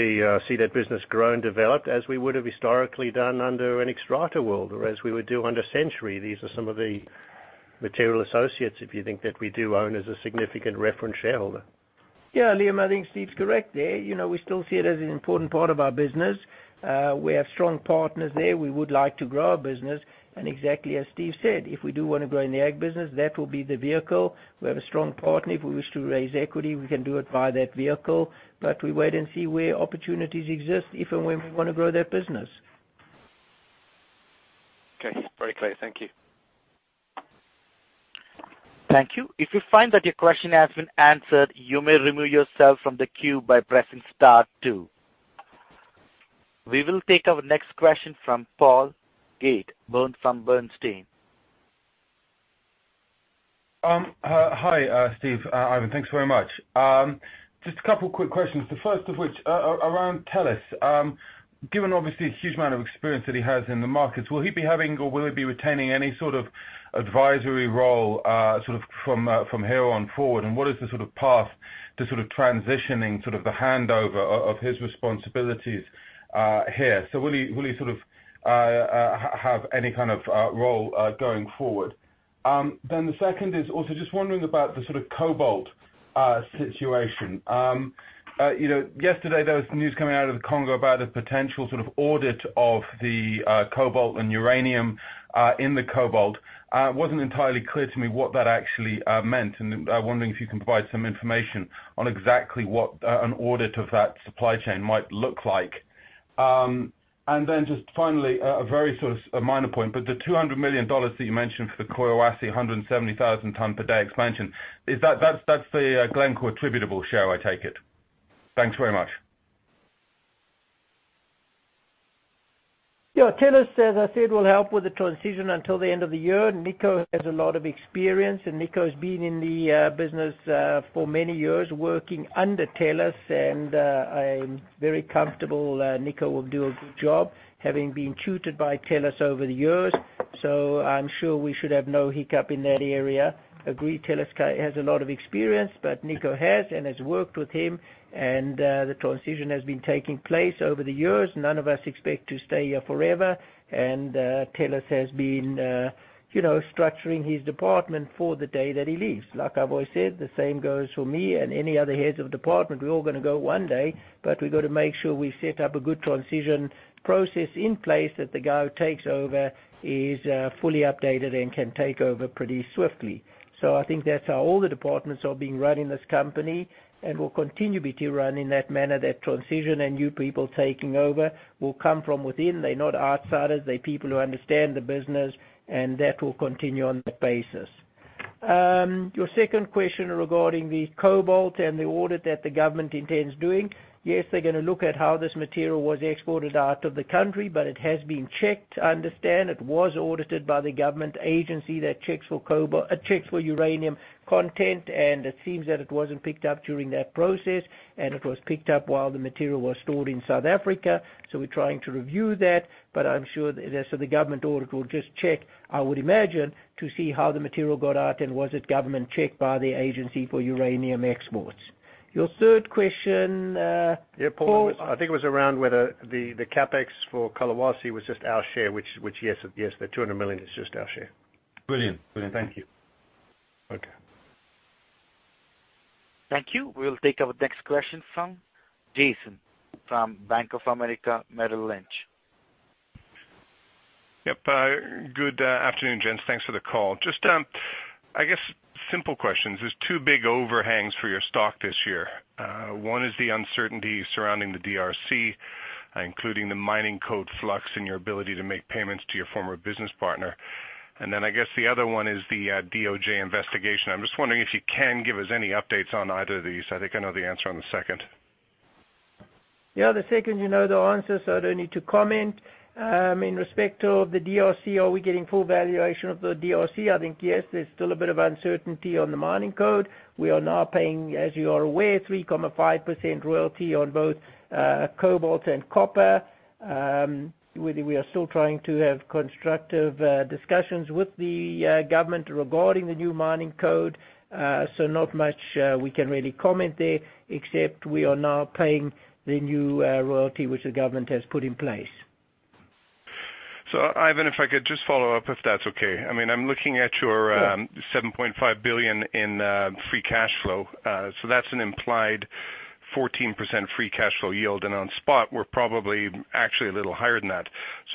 Speaker 3: that business grow and develop as we would have historically done under an Xstrata world or as we would do under Century. These are some of the material associates, if you think that we do own as a significant reference shareholder.
Speaker 2: Yeah, Liam, I think Steve's correct there. We still see it as an important part of our business. We have strong partners there. We would like to grow our business. Exactly as Steve said, if we do want to grow in the Ag business, that will be the vehicle. We have a strong partner. If we wish to raise equity, we can do it via that vehicle. We wait and see where opportunities exist, if and when we want to grow that business.
Speaker 4: Okay. Very clear. Thank you.
Speaker 1: Thank you. If you find that your question has been answered, you may remove yourself from the queue by pressing star two. We will take our next question from Paul Gait from Bernstein.
Speaker 5: Hi, Steve, Ivan. Thanks very much. Just a couple of quick questions. The first of which, around Telis. Given obviously his huge amount of experience that he has in the markets, will he be having or will he be retaining any sort of advisory role from here on forward? What is the sort of path to sort of transitioning, sort of the handover of his responsibilities here? Will he have any kind of role going forward? The second is also just wondering about the sort of Cobalt situation. Yesterday there was some news coming out of the Congo about a potential sort of audit of the Cobalt and uranium in the Cobalt. It wasn't entirely clear to me what that actually meant, and I'm wondering if you can provide some information on exactly what an audit of that supply chain might look like. Just finally, a very sort of minor point, but the $200 million that you mentioned for the Kolwezi 170,000 tonne per day expansion, that's the Glencore attributable share, I take it. Thanks very much.
Speaker 2: Yeah. Telis, as I said, will help with the transition until the end of the year. Niko has a lot of experience, and Niko's been in the business for many years working under Telis, and I'm very comfortable Niko will do a good job, having been tutored by Telis over the years. I'm sure we should have no hiccup in that area. Agree, Telis has a lot of experience, but Niko has and has worked with him, and the transition has been taking place over the years. None of us expect to stay here forever, and Telis has been structuring his department for the day that he leaves. Like I've always said, the same goes for me and any other heads of department. We're all going to go one day, we got to make sure we set up a good transition process in place that the guy who takes over is fully updated and can take over pretty swiftly. I think that's how all the departments are being run in this company and will continue to be run in that manner, that transition and new people taking over will come from within. They're not outsiders. They're people who understand the business, and that will continue on that basis. Your second question regarding the cobalt and the audit that the government intends doing, yes, they're going to look at how this material was exported out of the country, it has been checked. I understand it was audited by the government agency that checks for uranium content, it seems that it wasn't picked up during that process, it was picked up while the material was stored in South Africa. We're trying to review that, but I'm sure, the government audit will just check, I would imagine, to see how the material got out and was it government checked by the agency for uranium exports. Your third question, Paul.
Speaker 3: Yeah, Paul. I think it was around whether the CapEx for Kolwezi was just our share, which yes, the $200 million is just our share.
Speaker 2: Brilliant. Thank you.
Speaker 3: Okay.
Speaker 1: Thank you. We'll take our next question from Jason from Bank of America Merrill Lynch.
Speaker 6: Yep. Good afternoon, gents. Thanks for the call. Just, I guess, simple questions. There's two big overhangs for your stock this year. One is the uncertainty surrounding the DRC, including the mining code flux and your ability to make payments to your former business partner. Then I guess the other one is the DOJ investigation. I'm just wondering if you can give us any updates on either of these. I think I know the answer on the second.
Speaker 2: Yeah, the second you know the answer. I don't need to comment. In respect of the DRC, are we getting full valuation of the DRC? I think yes, there's still a bit of uncertainty on the mining code. We are now paying, as you are aware, 3.5% royalty on both cobalt and copper. We are still trying to have constructive discussions with the government regarding the new mining code. Not much we can really comment there except we are now paying the new royalty which the government has put in place.
Speaker 6: Ivan, if I could just follow up, if that's okay. I'm looking at your.
Speaker 2: Sure
Speaker 6: $7.5 billion in free cash flow. That's an implied 14% free cash flow yield and on spot we're probably actually a little higher than that.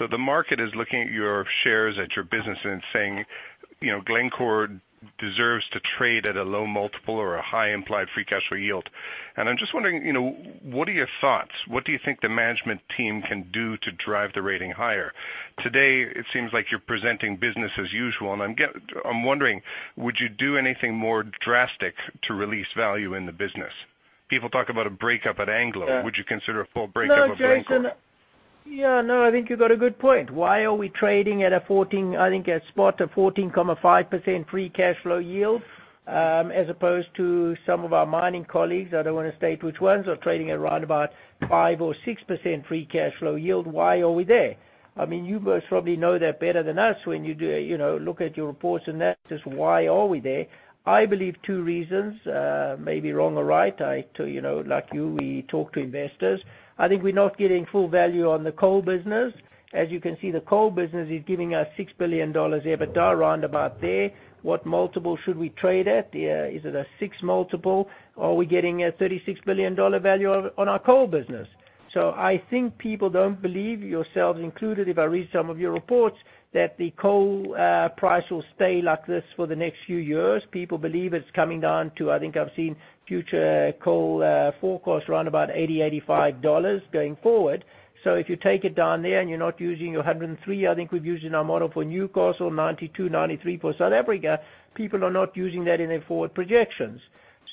Speaker 6: The market is looking at your shares, at your business and saying, Glencore deserves to trade at a low multiple or a high implied free cash flow yield. I'm just wondering, what are your thoughts? What do you think the management team can do to drive the rating higher? Today, it seems like you're presenting business as usual, I'm wondering, would you do anything more drastic to release value in the business? People talk about a breakup at Anglo.
Speaker 2: Yeah.
Speaker 6: Would you consider a full breakup of Glencore?
Speaker 2: No, Jason, I think you got a good point. Why are we trading at a 14, I think at spot, a 14.5% free cash flow yield, as opposed to some of our mining colleagues, I don't want to state which ones, are trading at around about 5% or 6% free cash flow yield. Why are we there? You most probably know that better than us when you look at your reports and that, just why are we there? I believe two reasons, may be wrong or right. Like you, we talk to investors. I think we're not getting full value on the coal business. As you can see, the coal business is giving us $6 billion EBITDA around about there. What multiple should we trade at? Is it a six multiple? Are we getting a $36 billion value on our coal business? I think people don't believe, yourselves included if I read some of your reports, that the coal price will stay like this for the next few years. People believe it's coming down to, I think I've seen future coal forecast around about $80, $85 going forward. If you take it down there and you're not using your 103, I think we've used in our model for Newcastle, 92, 93 for South Africa, people are not using that in their forward projections.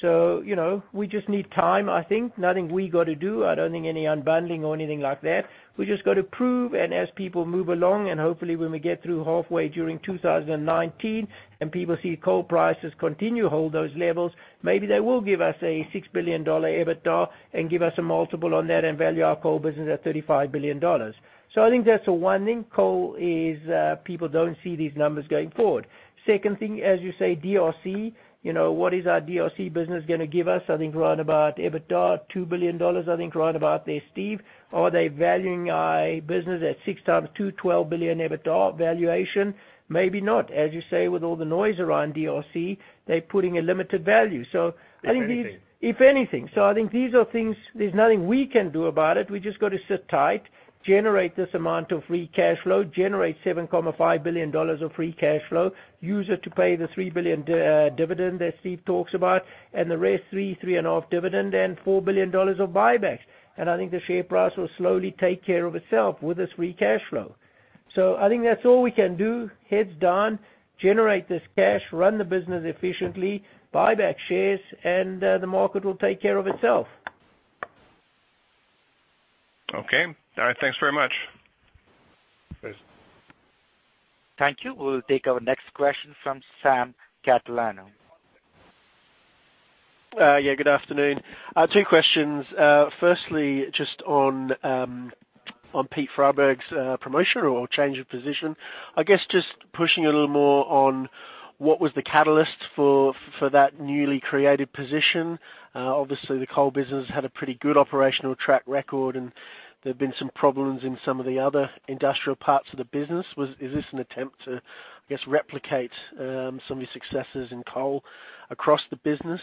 Speaker 2: We just need time, I think. Nothing we gotta do. I don't think any unbundling or anything like that. We just got to prove, and as people move along, and hopefully when we get through halfway during 2019 and people see coal prices continue hold those levels, maybe they will give us a $6 billion EBITDA and give us a multiple on that and value our coal business at $35 billion. I think that's the one thing, coal is, people don't see these numbers going forward. Second thing, as you say, DRC. What is our DRC business gonna give us? I think around about EBITDA, $2 billion, I think around about there, Steve. Are they valuing our business at six times two, $12 billion EBITDA valuation? Maybe not. As you say, with all the noise around DRC, they're putting a limited value. I think these
Speaker 3: If anything.
Speaker 2: If anything. I think these are things, there's nothing we can do about it. We just got to sit tight, generate this amount of free cash flow, generate $7.5 billion of free cash flow, use it to pay the $3 billion dividend that Steve talks about, and the rest, three and a half dividend and $4 billion of buybacks. I think the share price will slowly take care of itself with this free cash flow. I think that's all we can do. Heads down, generate this cash, run the business efficiently, buy back shares, and the market will take care of itself.
Speaker 6: Okay. All right, thanks very much.
Speaker 3: Cheers.
Speaker 1: Thank you. We'll take our next question from Sam Catalano.
Speaker 7: Yeah, good afternoon. Two questions. Firstly, just on Peter Freyberg's promotion or change of position. I guess just pushing a little more on what was the catalyst for that newly created position. Obviously, the coal business had a pretty good operational track record, and there have been some problems in some of the other industrial parts of the business. Is this an attempt to, I guess, replicate some of your successes in coal across the business?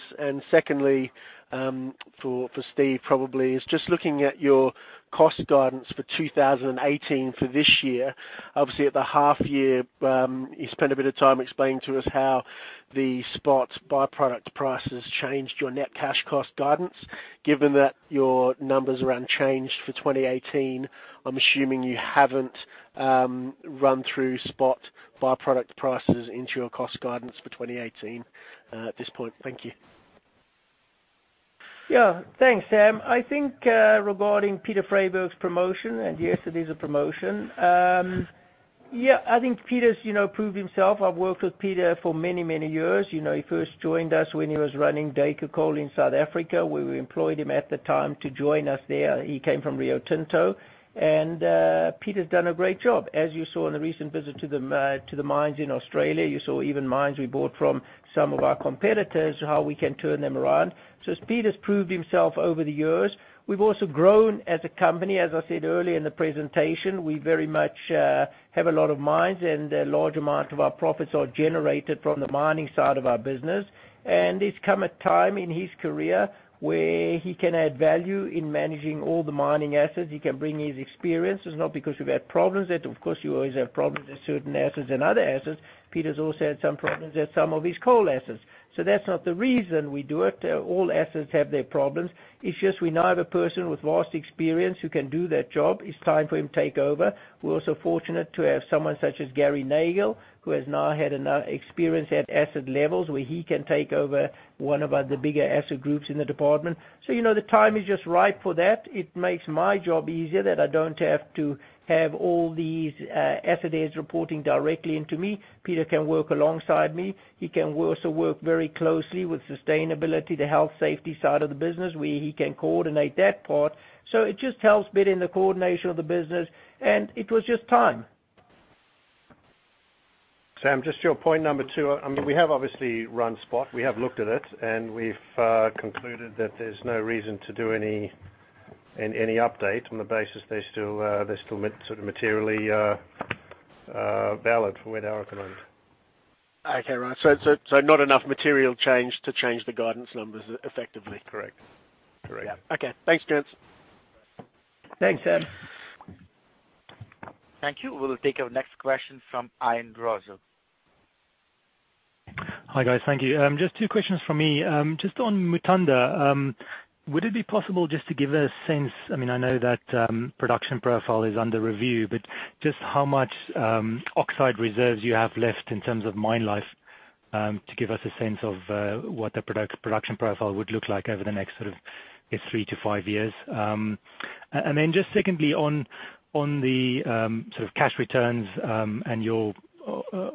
Speaker 7: Secondly, for Steve probably, is just looking at your cost guidance for 2018 for this year. Obviously at the half year, you spent a bit of time explaining to us how the spot by-product prices changed your net cash cost guidance. Given that your numbers are unchanged for 2018, I'm assuming you haven't run through spot by-product prices into your cost guidance for 2018 at this point. Thank you.
Speaker 2: Yeah. Thanks, Sam. I think, regarding Peter Freyberg's promotion, and yes, it is a promotion. Yeah, I think Peter's proved himself. I've worked with Peter for many years. He first joined us when he was running Teck Coal in South Africa, where we employed him at the time to join us there. He came from Rio Tinto. Peter's done a great job. As you saw in the recent visit to the mines in Australia, you saw even mines we bought from some of our competitors, how we can turn them around. Peter's proved himself over the years. We've also grown as a company. As I said earlier in the presentation, we very much have a lot of mines and a large amount of our profits are generated from the mining side of our business. It's come a time in his career where he can add value in managing all the mining assets. He can bring his experience. It's not because we've had problems there. Of course, you always have problems at certain assets and other assets. Peter's also had some problems at some of his coal assets. That's not the reason we do it. All assets have their problems. It's just we now have a person with vast experience who can do that job. It's time for him to take over. We're also fortunate to have someone such as Gary Nagle, who has now had enough experience at asset levels where he can take over one of the bigger asset groups in the department. The time is just right for that. It makes my job easier that I don't have to have all these asset heads reporting directly into me. Peter can work alongside me. He can also work very closely with sustainability, the health safety side of the business, where he can coordinate that part. It just helps a bit in the coordination of the business. It was just time.
Speaker 3: Sam, just to your point number 2, we have obviously run Spot. We have looked at it, we've concluded that there's no reason to do any update on the basis they're still materially valid from where they were recommended.
Speaker 7: Okay, right. Not enough material changed to change the guidance numbers effectively?
Speaker 3: Correct.
Speaker 7: Yeah. Okay. Thanks, gents.
Speaker 2: Thanks, Sam.
Speaker 1: Thank you. We'll take our next question from Ian Drauzer.
Speaker 8: Hi, guys. Thank you. Just two questions from me. Just on Mutanda, would it be possible just to give a sense, I know that production profile is under review, but just how much oxide reserves you have left in terms of mine life, to give us a sense of what the production profile would look like over the next three to five years? Just secondly, on the sort of cash returns, and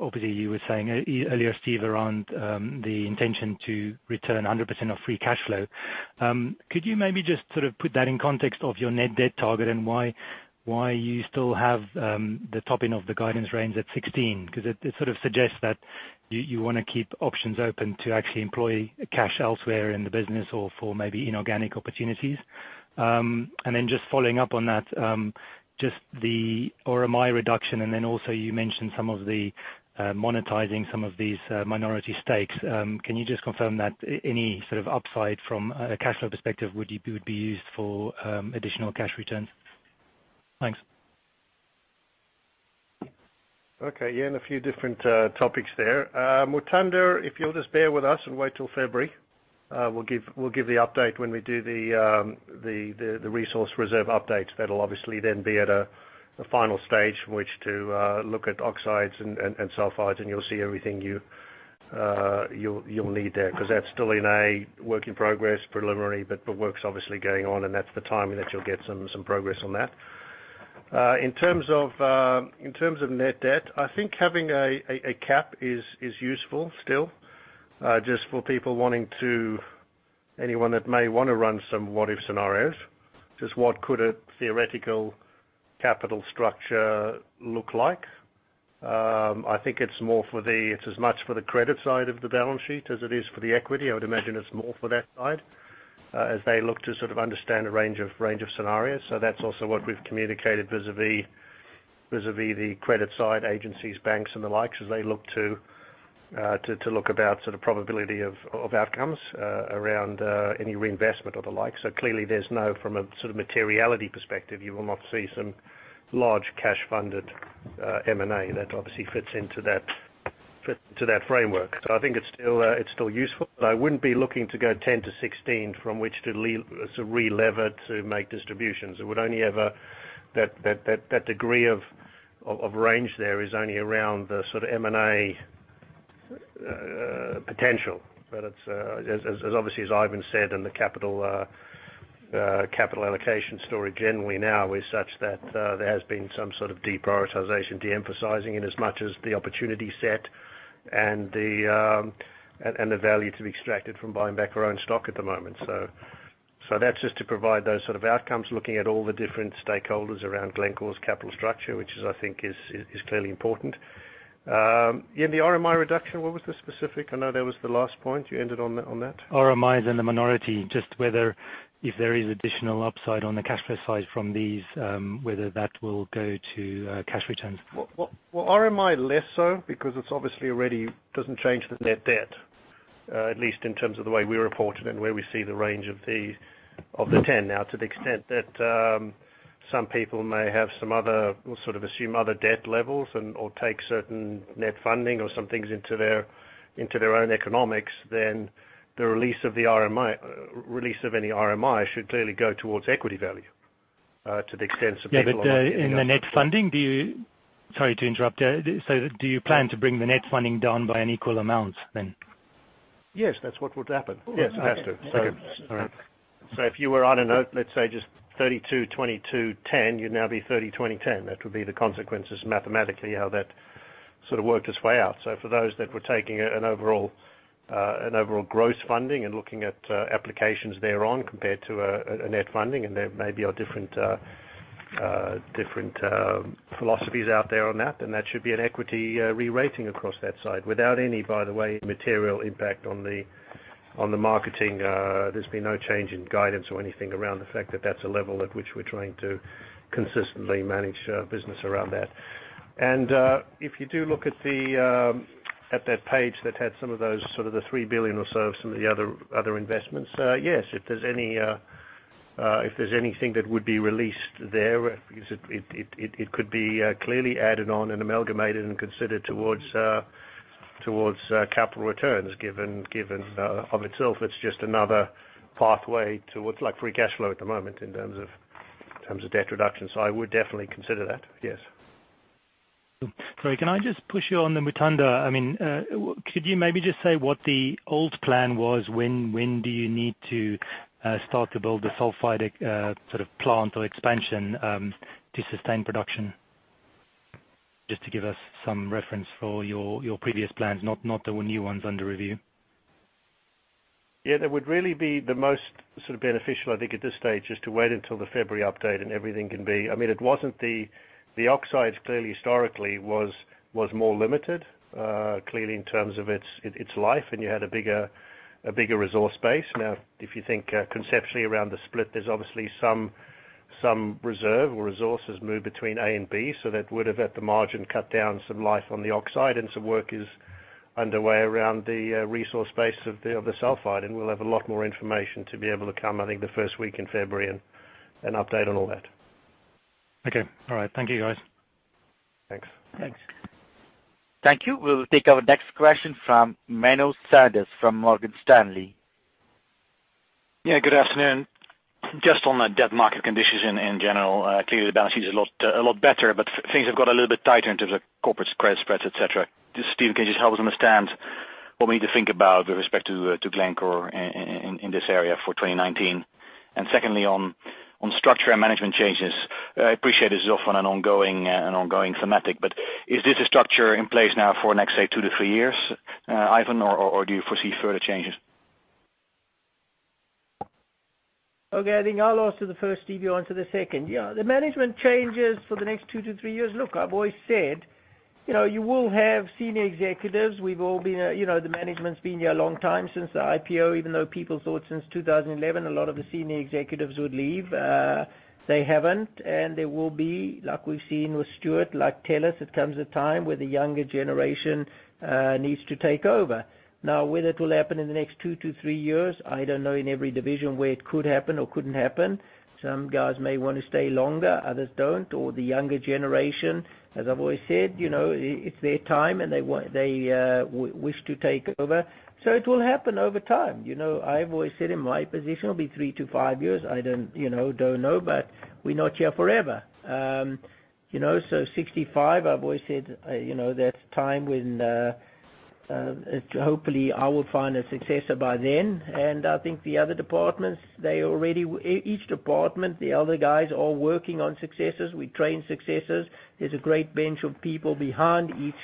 Speaker 8: obviously you were saying earlier, Steve, around the intention to return 100% of free cash flow. Could you maybe just sort of put that in context of your net debt target and why you still have the top end of the guidance range at 16? It sort of suggests that you want to keep options open to actually employ cash elsewhere in the business or for maybe inorganic opportunities. Following up on that, just the RMI reduction, and then also you mentioned some of the monetizing some of these minority stakes. Can you just confirm that any sort of upside from a cash flow perspective would be used for additional cash returns? Thanks.
Speaker 3: Okay. Ian, a few different topics there. Mutanda, if you'll just bear with us and wait till February, we'll give the update when we do the resource reserve updates. That'll obviously then be at a final stage from which to look at oxides and sulfides, and you'll see everything you'll need there, because that's still in a work in progress, preliminary, but work's obviously going on, and that's the timing that you'll get some progress on that. In terms of net debt, I think having a cap is useful still, just for people wanting anyone that may want to run some what if scenarios. Just what could a theoretical capital structure look like. I think it's as much for the credit side of the balance sheet as it is for the equity. I would imagine it's more for that side, as they look to sort of understand a range of scenarios. That's also what we've communicated vis-a-vis the credit side agencies, banks, and the likes, as they look to look about sort of probability of outcomes around any reinvestment or the like. Clearly there's no, from a sort of materiality perspective, you will not see some large cash funded M&A that obviously fits into that framework. I think it's still useful, but I wouldn't be looking to go 10-16 from which to relever to make distributions. That degree of range there is only around the sort of M&A potential. As obviously as Ivan said and the capital allocation story generally now is such that there has been some sort of deprioritization, de-emphasizing in as much as the opportunity set and the value to be extracted from buying back our own stock at the moment. That's just to provide those sort of outcomes, looking at all the different stakeholders around Glencore's capital structure, which is, I think, is clearly important. Ian, the RMI reduction, what was the specific I know that was the last point. You ended on that.
Speaker 8: RMIs and the minority, just whether if there is additional upside on the cash flow side from these, whether that will go to cash returns.
Speaker 3: Well, RMI less so, because it obviously already doesn't change the net debt, at least in terms of the way we report it and where we see the range of the 10 now. To the extent that some people may have some other, we'll sort of assume other debt levels or take certain net funding or some things into their own economics, then the release of any RMI should clearly go towards equity value.
Speaker 8: Yeah, in the net funding, sorry to interrupt. Do you plan to bring the net funding down by an equal amount then?
Speaker 2: Yes, that's what would happen.
Speaker 3: Yes, it has to.
Speaker 2: Okay. All right.
Speaker 3: If you were on a note, let's say just 32/22/10, you'd now be 30/20/10. That would be the consequences, mathematically, how that sort of worked its way out. For those that were taking an overall gross funding and looking at applications thereon compared to a net funding, and there maybe are different philosophies out there on that, then that should be an equity re-rating across that side. Without any, by the way, material impact on the marketing. There's been no change in guidance or anything around the fact that that's a level at which we're trying to consistently manage business around that. If you do look at that page that had some of those, sort of the $3 billion or so of some of the other investments. Yes, if there's anything that would be released there, it could be clearly added on and amalgamated and considered towards capital returns, given of itself it's just another pathway towards free cash flow at the moment in terms of debt reduction. I would definitely consider that, yes.
Speaker 8: Sorry, can I just push you on the Mutanda? Could you maybe just say what the old plan was? When do you need to start to build the sulfide plant or expansion to sustain production? Just to give us some reference for your previous plans, not the new ones under review.
Speaker 3: Yeah, that would really be the most beneficial, I think at this stage, just to wait until the February update and everything. The oxides clearly, historically, was more limited, clearly in terms of its life, and you had a bigger resource base. Now, if you think conceptually around the split, there's obviously some reserve or resources moved between A and B, so that would've, at the margin, cut down some life on the oxide, and some work is underway around the resource base of the sulfide. We'll have a lot more information to be able to come, I think, the first week in February and update on all that.
Speaker 8: Okay. All right. Thank you guys.
Speaker 3: Thanks.
Speaker 2: Thanks.
Speaker 1: Thank you. We'll take our next question from Menno Sanders from Morgan Stanley.
Speaker 9: Good afternoon. Just on the debt market conditions in general, clearly the balance sheet is a lot better, but things have got a little bit tighter in terms of corporate credit spreads, et cetera. Steven, can you just help us understand what we need to think about with respect to Glencore in this area for 2019? Secondly, on structure and management changes. I appreciate this is often an ongoing thematic, but is this a structure in place now for the next, say, two to three years, Ivan, or do you foresee further changes?
Speaker 2: Okay. I think I will answer the first, Steven, you answer the second. The management changes for the next two to three years. Look, I have always said you will have senior executives. The management has been here a long time since the IPO, even though people thought since 2011 a lot of the senior executives would leave. They haven't, and there will be, like we have seen with Stuart, like Telis, it comes a time where the younger generation needs to take over. Now, whether it will happen in the next two to three years, I don't know in every division where it could happen or couldn't happen. Some guys may want to stay longer, others don't. Or the younger generation, as I have always said, it's their time and they wish to take over. So it will happen over time. I have always said in my position it will be three to five years. I don't know, but we're not here forever. So 65, I have always said that's time when hopefully I will find a successor by then. I think the other departments, each department, the other guys are working on successors. We train successors. There's a great bench of people behind each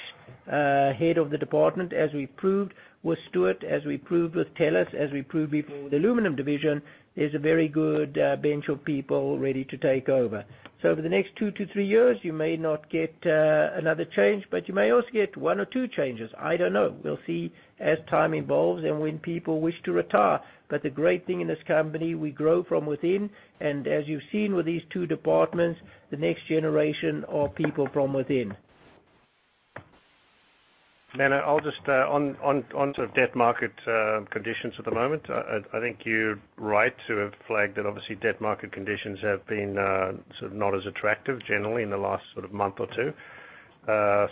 Speaker 2: head of the department. As we proved with Stuart, as we proved with Telis, as we proved before with the aluminum division, there's a very good bench of people ready to take over. So over the next two to three years, you may not get another change, but you may also get one or two changes. I don't know. We will see as time evolves and when people wish to retire. But the great thing in this company, we grow from within, and as you've seen with these two departments, the next generation are people from within.
Speaker 3: Menno, I will just, on sort of debt market conditions at the moment, I think you're right to have flagged that obviously debt market conditions have been not as attractive generally in the last month or two.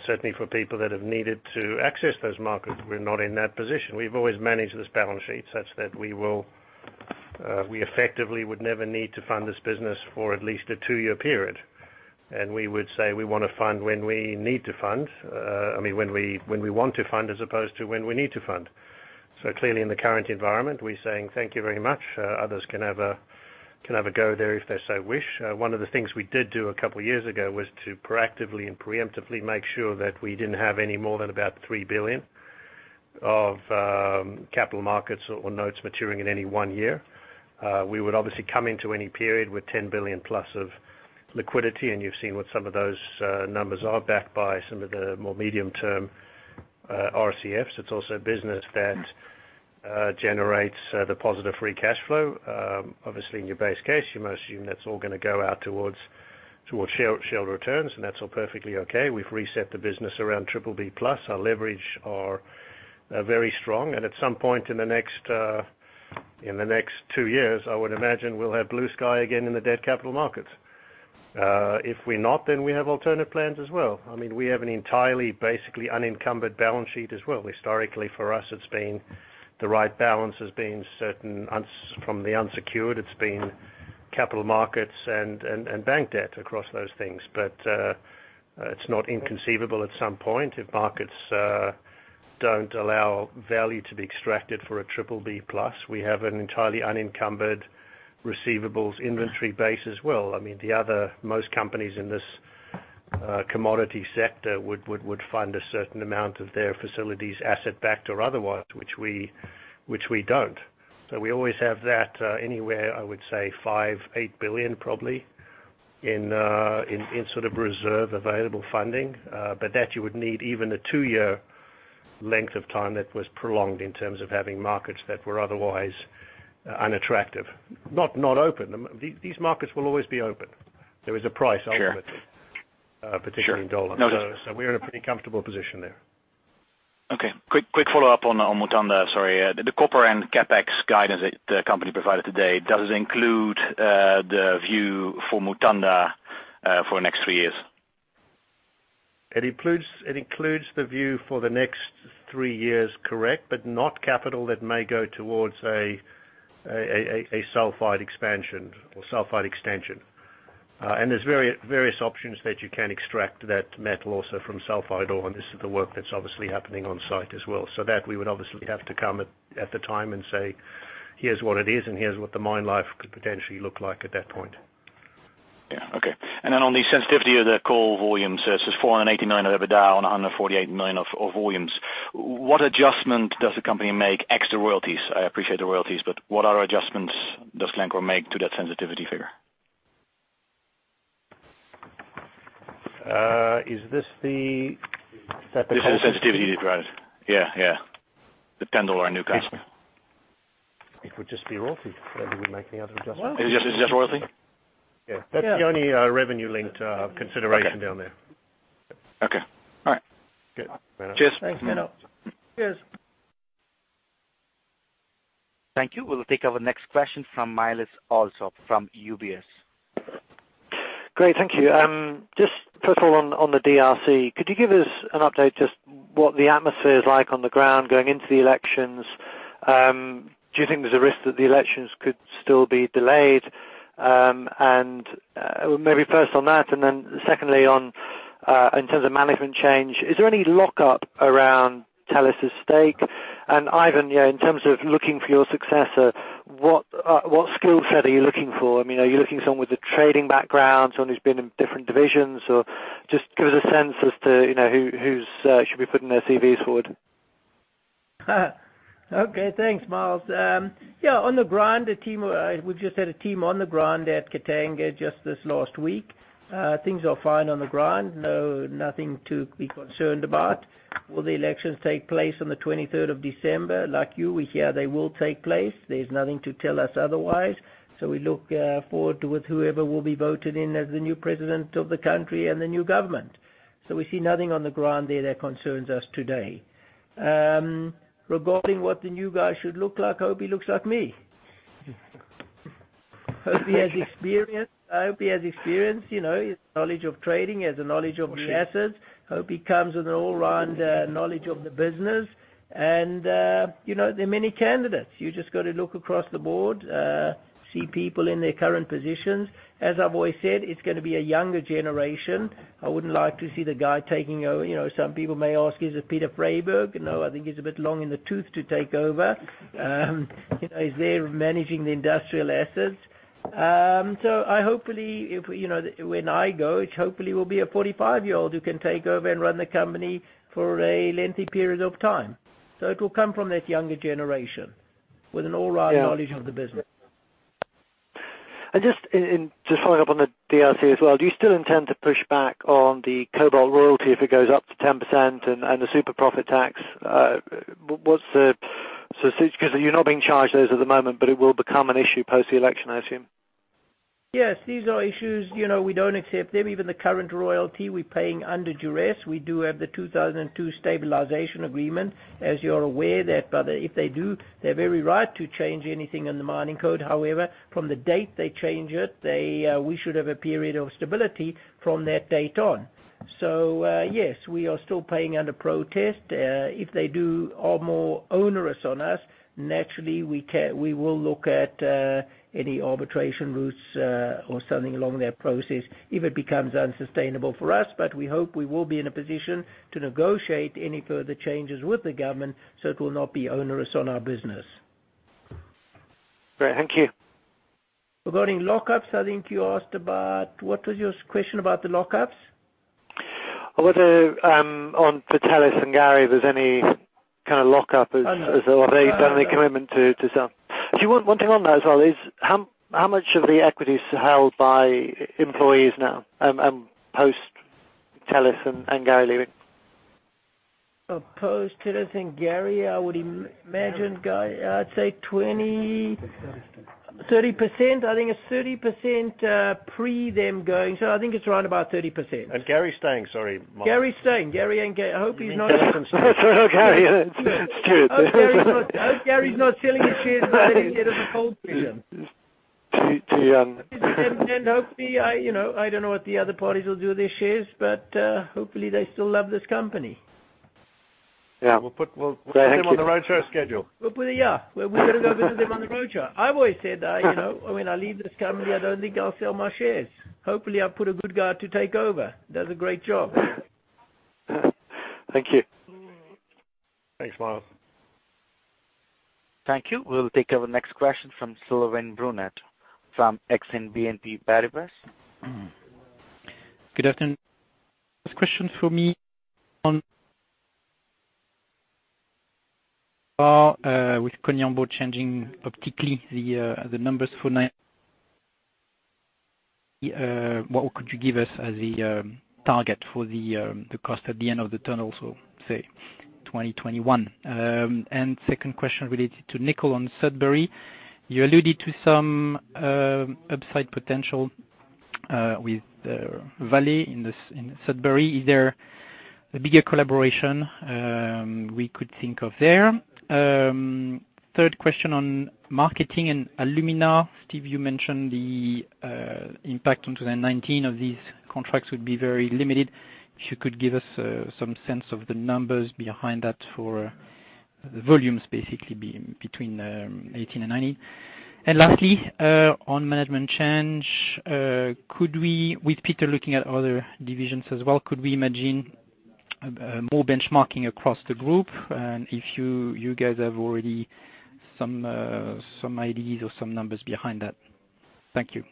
Speaker 3: Certainly for people that have needed to access those markets, we're not in that position. We have always managed this balance sheet such that we effectively would never need to fund this business for at least a two-year period. And we would say we want to fund when we need to fund. I mean, when we want to fund as opposed to when we need to fund. So clearly in the current environment, we're saying, "Thank you very much." Others can have a go there if they so wish. One of the things we did do a couple of years ago was to proactively and preemptively make sure that we didn't have any more than about $3 billion of capital markets or notes maturing in any one year. We would obviously come into any period with $10 billion plus of liquidity, and you've seen what some of those numbers are backed by some of the more medium-term RCFs. It's also a business that generates the positive free cash flow. Obviously in your base case, you must assume that's all going to go out towards shareholder returns, and that's all perfectly okay. We've reset the business around BBB+. Our leverage are very strong and at some point in the next 2 years, I would imagine we'll have blue sky again in the debt capital markets. If we're not, then we have alternate plans as well. We have an entirely, basically unencumbered balance sheet as well. Historically, for us, it's been the right balance has been certain from the unsecured, it's been capital markets and bank debt across those things. But it's not inconceivable at some point if markets don't allow value to be extracted for a BBB+. We have an entirely unencumbered receivables inventory base as well. Most companies in this commodity sector would fund a certain amount of their facilities, asset-backed or otherwise, which we don't. So we always have that anywhere, I would say, $5 billion-$8 billion probably in reserve available funding. But that you would need even a 2-year length of time that was prolonged in terms of having markets that were otherwise unattractive. Not open. These markets will always be open. There is a price ultimately-
Speaker 9: Sure
Speaker 3: particularly in gold.
Speaker 9: No, it's.
Speaker 3: We're in a pretty comfortable position there.
Speaker 9: Quick follow-up on Mutanda. Sorry. The copper and CapEx guidance that the company provided today, does it include the view for Mutanda for the next three years?
Speaker 3: It includes the view for the next three years, correct, but not capital that may go towards a sulfide expansion or sulfide extension. There's various options that you can extract that metal also from sulfide ore, and this is the work that's obviously happening on site as well. That we would obviously have to come at the time and say, "Here's what it is, and here's what the mine life could potentially look like at that point.
Speaker 9: On the sensitivity of the coal volumes, it says $489 of EBITDA on 148 million of volumes. What adjustment does the company make extra royalties? I appreciate the royalties, but what other adjustments does Glencore make to that sensitivity figure?
Speaker 3: Is this the?
Speaker 9: This is the sensitivity you described. Yeah. The $10 new customer.
Speaker 3: It would just be royalty. We don't make any other adjustments.
Speaker 9: It's just royalty?
Speaker 3: Yeah. That's the only revenue link to our consideration down there.
Speaker 9: Okay. All right.
Speaker 3: Good.
Speaker 9: Cheers.
Speaker 3: Thanks. Cheers.
Speaker 1: Thank you. We'll take our next question from Myles Allsop from UBS.
Speaker 10: Great. Thank you. Just first of all on the DRC. Could you give us an update just what the atmosphere is like on the ground going into the elections? Do you think there's a risk that the elections could still be delayed? Maybe first on that, then secondly in terms of management change, is there any lockup around Telis' stake? Ivan, yeah, in terms of looking for your successor, what skill set are you looking for? Are you looking for someone with a trading background, someone who's been in different divisions? Just give us a sense as to who should be putting their CVs forward.
Speaker 2: Okay. Thanks, Myles. Yeah, on the ground, we've just had a team on the ground at Katanga just this last week. Things are fine on the ground. Nothing to be concerned about. Will the elections take place on the 23rd of December? Like you, we hear they will take place. There's nothing to tell us otherwise, we look forward to with whoever will be voted in as the new president of the country and the new government. We see nothing on the ground there that concerns us today. Regarding what the new guy should look like, hope he looks like me. Hope he has experience, knowledge of trading, has a knowledge of the assets. Hope he comes with an all-round knowledge of the business. There are many candidates. You just got to look across the board, see people in their current positions. As I've always said, it's gonna be a younger generation. I wouldn't like to see the guy taking over. Some people may ask, "Is it Peter Freyberg?" No, I think he's a bit long in the tooth to take over. He's there managing the industrial assets. Hopefully, when I go, it hopefully will be a 45-year-old who can take over and run the company for a lengthy period of time. It will come from that younger generation with an all-round knowledge of the business.
Speaker 10: Just following up on the DRC as well, do you still intend to push back on the cobalt royalty if it goes up to 10% and the super profit tax? Because you're not being charged those at the moment, but it will become an issue post the election, I assume.
Speaker 2: Yes. These are issues, we don't accept them. Even the current royalty, we're paying under duress. We do have the 2002 stabilization agreement, as you're aware. If they do, they're very right to change anything in the mining code. However, from the date they change it, we should have a period of stability from that date on. Yes, we are still paying under protest. If they do, are more onerous on us, naturally we will look at any arbitration routes or something along that process if it becomes unsustainable for us. We hope we will be in a position to negotiate any further changes with the government, so it will not be onerous on our business.
Speaker 10: Great. Thank you.
Speaker 2: Regarding lockups, I think you asked about What was your question about the lockups?
Speaker 10: On for Telis and Gary, if there's any kind of lockup-
Speaker 2: No
Speaker 10: have they done any commitment to sell? One thing on that as well is, how much of the equity is held by employees now post Telis and Gary leaving?
Speaker 2: Post Telis and Gary, I would imagine, I'd say 20, 30%. I think it's 30% pre them going. I think it's around about 30%.
Speaker 3: Gary's staying. Sorry, Myles.
Speaker 2: Gary's staying. Gary.
Speaker 10: Sorry. Gary. It's good.
Speaker 2: Hope Gary's not selling his shares in ahead of the full premium.
Speaker 3: To-
Speaker 2: Hopefully, I don't know what the other parties will do with their shares, hopefully they still love this company.
Speaker 10: Yeah.
Speaker 3: We'll put them on the roadshow schedule.
Speaker 2: Yeah. We better go visit them on the roadshow. I've always said, when I leave this company, I don't think I'll sell my shares. Hopefully, I've put a good guy to take over, does a great job.
Speaker 10: Thank you.
Speaker 3: Thanks, Myles.
Speaker 1: Thank you. We'll take our next question from Sylvain Brunet from Exane BNP Paribas.
Speaker 11: Good afternoon. First question for me, with Koniambo changing optically the numbers for nine. What could you give us as the target for the cost at the end of the tunnel, so say 2021? Second question related to nickel on Sudbury. You alluded to some upside potential with Vale in Sudbury. Is there a bigger collaboration we could think of there? Third question on marketing and alumina. Steve, you mentioned the impact on 2019 of these contracts would be very limited. If you could give us some sense of the numbers behind that for the volumes basically between 2018 and 2019. Lastly, on management change, with Peter looking at other divisions as well, could we imagine more benchmarking across the group? If you guys have already some ideas or some numbers behind that. Thank you.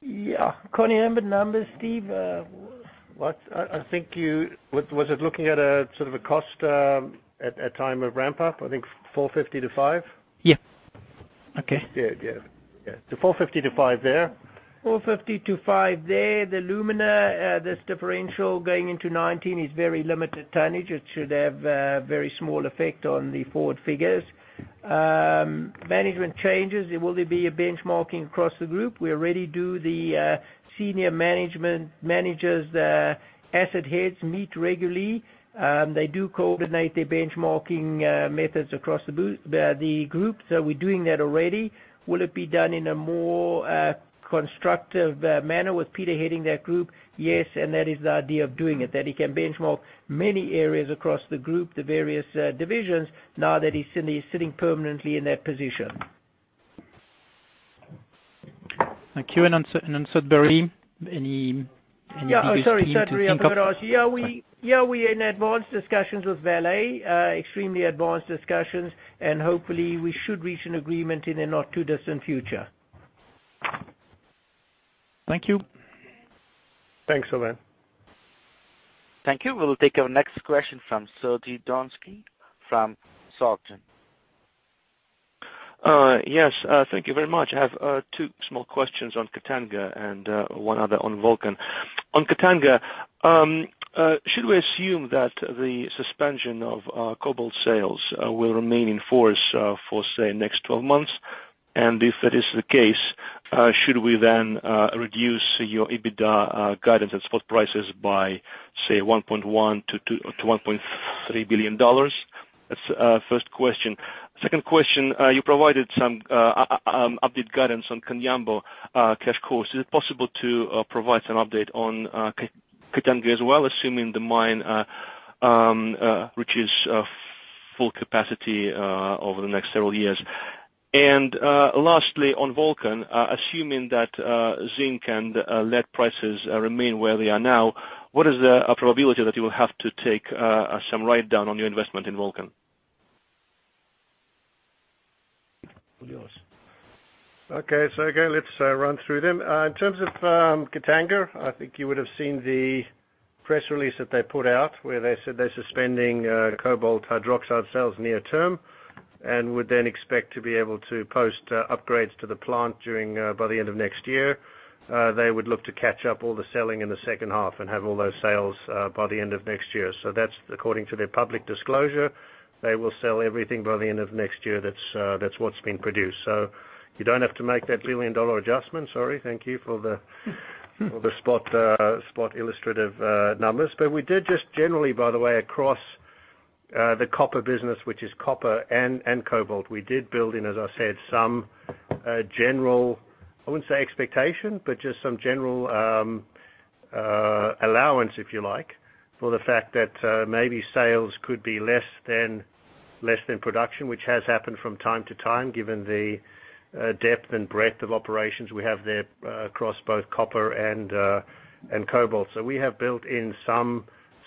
Speaker 3: Yeah. Koniambo numbers, Steve, was it looking at a sort of a cost at time of ramp up, I think $450-$5?
Speaker 11: Yeah. Okay.
Speaker 3: Yeah. $450-$5 there.
Speaker 2: 450 to 5 there. The alumina, this differential going into 2019, is very limited tonnage. It should have a very small effect on the forward figures. Management changes. Will there be a benchmarking across the group? We already do the senior management, managers, the asset heads meet regularly. They do coordinate their benchmarking methods across the group. We're doing that already. Will it be done in a more constructive manner with Peter heading that group? Yes, and that is the idea of doing it, that he can benchmark many areas across the group, the various divisions, now that he's sitting permanently in that position.
Speaker 11: Thank you. On Sudbury.
Speaker 2: I'm sorry, Sudbury, I forgot to ask you. We in advanced discussions with Vale. Extremely advanced discussions, hopefully we should reach an agreement in a not too distant future.
Speaker 11: Thank you.
Speaker 3: Thanks, Sylvain.
Speaker 1: Thank you. We'll take our next question from Sergey Donskoy from SocGen.
Speaker 12: Yes. Thank you very much. I have two small questions on Katanga and one other on Volcan. On Katanga, should we assume that the suspension of cobalt sales will remain in force for, say, next 12 months? If that is the case, should we then reduce your EBITDA guidance at spot prices by, say, $1.1 billion-$1.3 billion? That's first question. Second question, you provided some update guidance on Koniambo cash cost. Is it possible to provide some update on Katanga as well, assuming the mine reaches full capacity over the next several years? Lastly, on Volcan, assuming that zinc and lead prices remain where they are now, what is the probability that you will have to take some write-down on your investment in Volcan?
Speaker 3: All yours. Okay, Sergey, let's run through them. In terms of Katanga, I think you would have seen the press release that they put out where they said they're suspending cobalt hydroxide sales near term, would then expect to be able to post upgrades to the plant by the end of next year. They would look to catch up all the selling in the second half and have all those sales by the end of next year. That's according to their public disclosure. They will sell everything by the end of next year that's what's been produced. You don't have to make that billion-dollar adjustment, Sergey, thank you for the spot illustrative numbers. We did just generally, by the way, across the copper business, which is copper and cobalt, we did build in, as I said, some general, I wouldn't say expectation, but just some general allowance, if you like, for the fact that maybe sales could be less than production, which has happened from time to time given the depth and breadth of operations we have there across both copper and cobalt. We have built in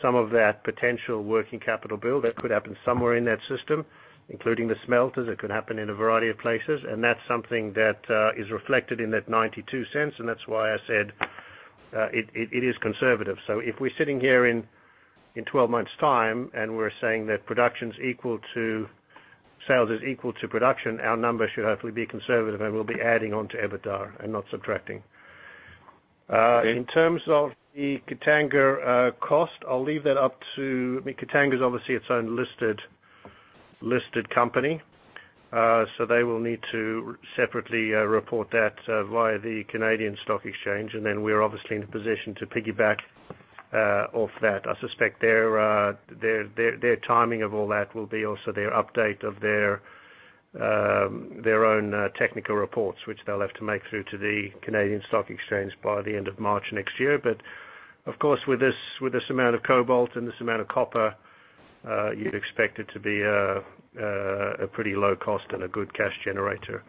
Speaker 3: some of that potential working capital build that could happen somewhere in that system, including the smelters. It could happen in a variety of places, and that's something that is reflected in that $0.92, and that's why I said it is conservative. If we're sitting here in 12 months' time and we're saying that sales is equal to production, our numbers should hopefully be conservative, and we'll be adding on to EBITDA and not subtracting. In terms of the Katanga cost, I'll leave that up to. Katanga is obviously its own listed company. They will need to separately report that via the Toronto Stock Exchange, and then we're obviously in a position to piggyback off that. I suspect their timing of all that will be also their update of their own technical reports, which they'll have to make through to the Toronto Stock Exchange by the end of March next year. Of course, with this amount of cobalt and this amount of copper, you'd expect it to be a pretty low cost and a good cash generator.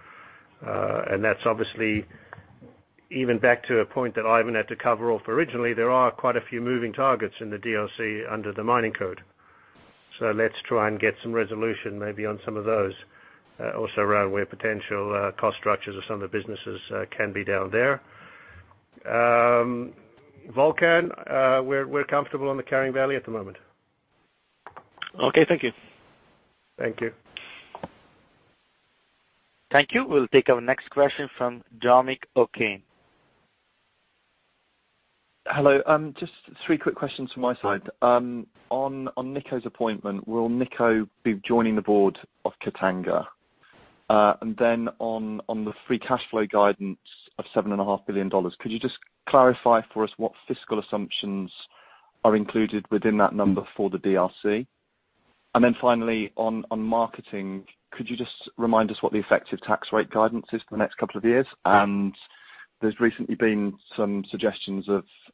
Speaker 3: That's obviously. Even back to a point that I even had to cover off originally, there are quite a few moving targets in the DRC under the mining code. Let's try and get some resolution, maybe on some of those, also around where potential cost structures of some of the businesses can be down there. Volcan, we're comfortable on the carrying value at the moment.
Speaker 2: Okay, thank you.
Speaker 3: Thank you.
Speaker 1: Thank you. We will take our next question from Dominic O'Kane.
Speaker 13: Hello. Just three quick questions from my side. On Nico's appointment, will Nico be joining the board of Katanga? On the free cash flow guidance of $7.5 billion, could you just clarify for us what fiscal assumptions are included within that number for the DRC? Finally, on marketing, could you just remind us what the effective tax rate guidance is for the next couple of years? There has recently been some suggestions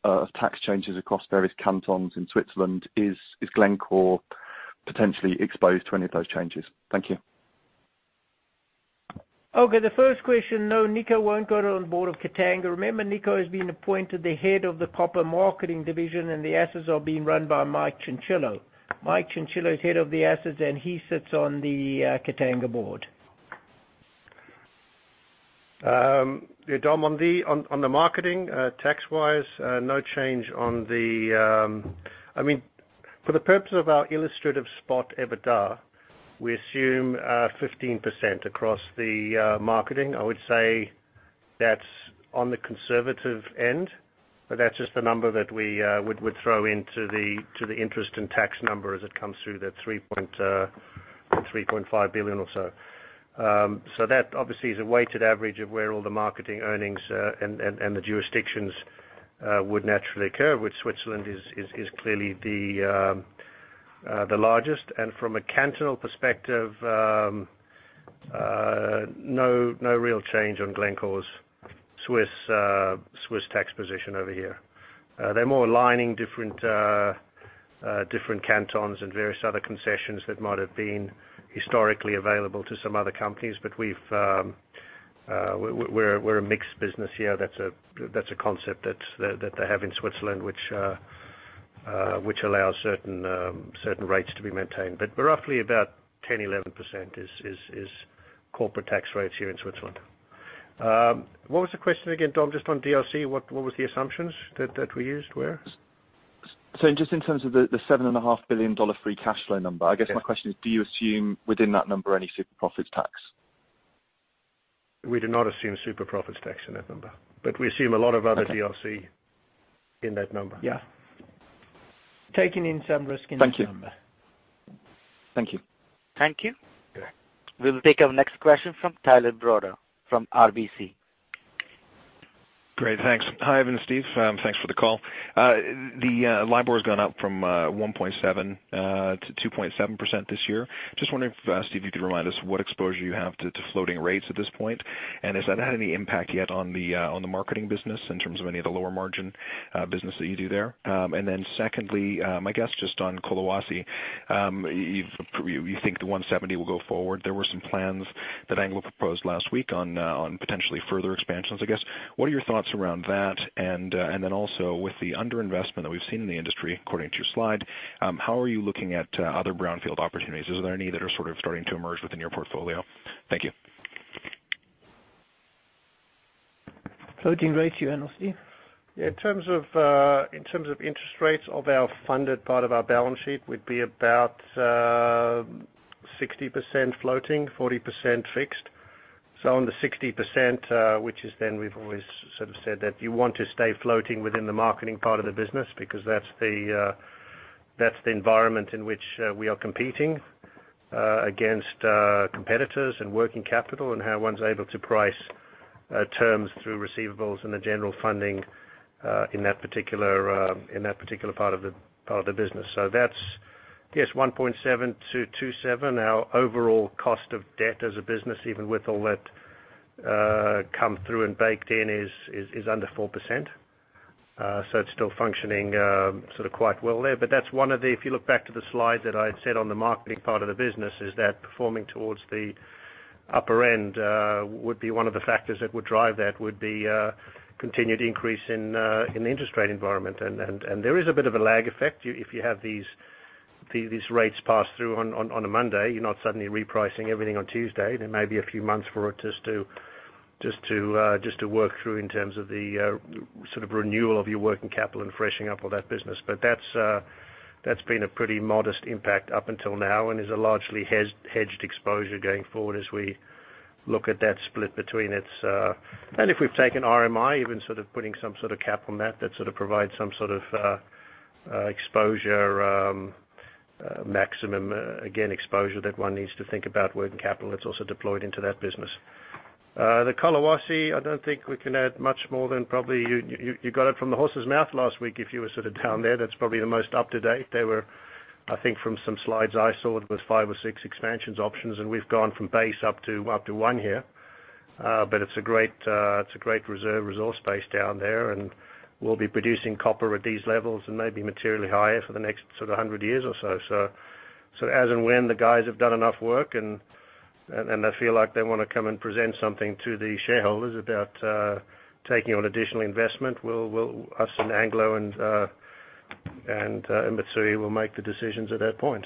Speaker 13: of tax changes across various cantons in Switzerland. Is Glencore potentially exposed to any of those changes? Thank you.
Speaker 2: Okay, the first question, no, Nico will not go on board of Katanga. Remember, Nico has been appointed the head of the proper marketing division, and the assets are being run by Mike Ciricillo. Mike Ciricillo is head of the assets, and he sits on the Katanga board.
Speaker 3: Dom, on the marketing, tax-wise, no change. For the purpose of our illustrative spot EBITDA, we assume 15% across the marketing. I would say that's on the conservative end, but that's just the number that we would throw into the interest and tax number as it comes through, that $3.5 billion or so. That obviously is a weighted average of where all the marketing earnings and the jurisdictions would naturally occur, which Switzerland is clearly the largest. From a cantonal perspective, no real change on Glencore's Swiss tax position over here. They're more aligning different cantons and various other concessions that might have been historically available to some other companies. We're a mixed business here. That's a concept that they have in Switzerland, which allows certain rates to be maintained. Roughly about 10, 11% is corporate tax rates here in Switzerland. What was the question again, Dom? Just on DRC, what was the assumptions that we used were?
Speaker 13: Just in terms of the $7.5 billion free cash flow number, I guess my question is, do you assume within that number any super profits tax?
Speaker 3: We do not assume super profits tax in that number, we assume a lot of other DRC in that number.
Speaker 13: Yeah.
Speaker 2: Taking in some risk in that number.
Speaker 13: Thank you.
Speaker 2: Thank you.
Speaker 1: Thank you. We'll take our next question from Tyler Broda from RBC.
Speaker 14: Great, thanks. Hi, Ivan and Steve. Thanks for the call. The LIBOR has gone up from 1.7% to 2.7% this year. Steve, you could remind us what exposure you have to floating rates at this point, and has that had any impact yet on the marketing business in terms of any of the lower margin business that you do there? Secondly, my guess just on Collahuasi, you think the 170 will go forward. There were some plans that Anglo proposed last week on potentially further expansions. What are your thoughts around that? Also with the under-investment that we've seen in the industry, according to your slide, how are you looking at other brownfield opportunities? Is there any that are sort of starting to emerge within your portfolio? Thank you.
Speaker 2: Floating rates, you want to know, Steve?
Speaker 3: In terms of interest rates of our funded part of our balance sheet would be about 60% floating, 40% fixed. On the 60%, we've always said that you want to stay floating within the marketing part of the business because that's the environment in which we are competing against competitors and working capital and how one's able to price terms through receivables and the general funding in that particular part of the business. That's 1.7% to 2.7%. Our overall cost of debt as a business, even with all that come through and baked in, is under 4%. It's still functioning quite well there. That's one of the factors, if you look back to the slide that I had said on the marketing part of the business, is that performing towards the upper end would be one of the factors that would drive that, would be a continued increase in the interest rate environment. There is a bit of a lag effect. If you have these rates pass through on a Monday, you're not suddenly repricing everything on Tuesday. There may be a few months for it just to work through in terms of the renewal of your working capital and freshening up all that business. That's been a pretty modest impact up until now and is a largely hedged exposure going forward as we look at that split between it. If we've taken RMI, even putting some sort of cap on that provides some sort of exposure, maximum, again, exposure that one needs to think about working capital that's also deployed into that business. The Collahuasi, I don't think we can add much more than probably you got it from the horse's mouth last week if you were down there. That's probably the most up to date. There were, I think from some slides I saw, there was 5 or 6 expansions options, and we've gone from base up to one here. It's a great reserve resource base down there, and we'll be producing copper at these levels and maybe materially higher for the next 100 years or so. As and when the guys have done enough work and they feel like they want to come and present something to the shareholders about taking on additional investment. Us and Anglo and Mitsui will make the decisions at that point.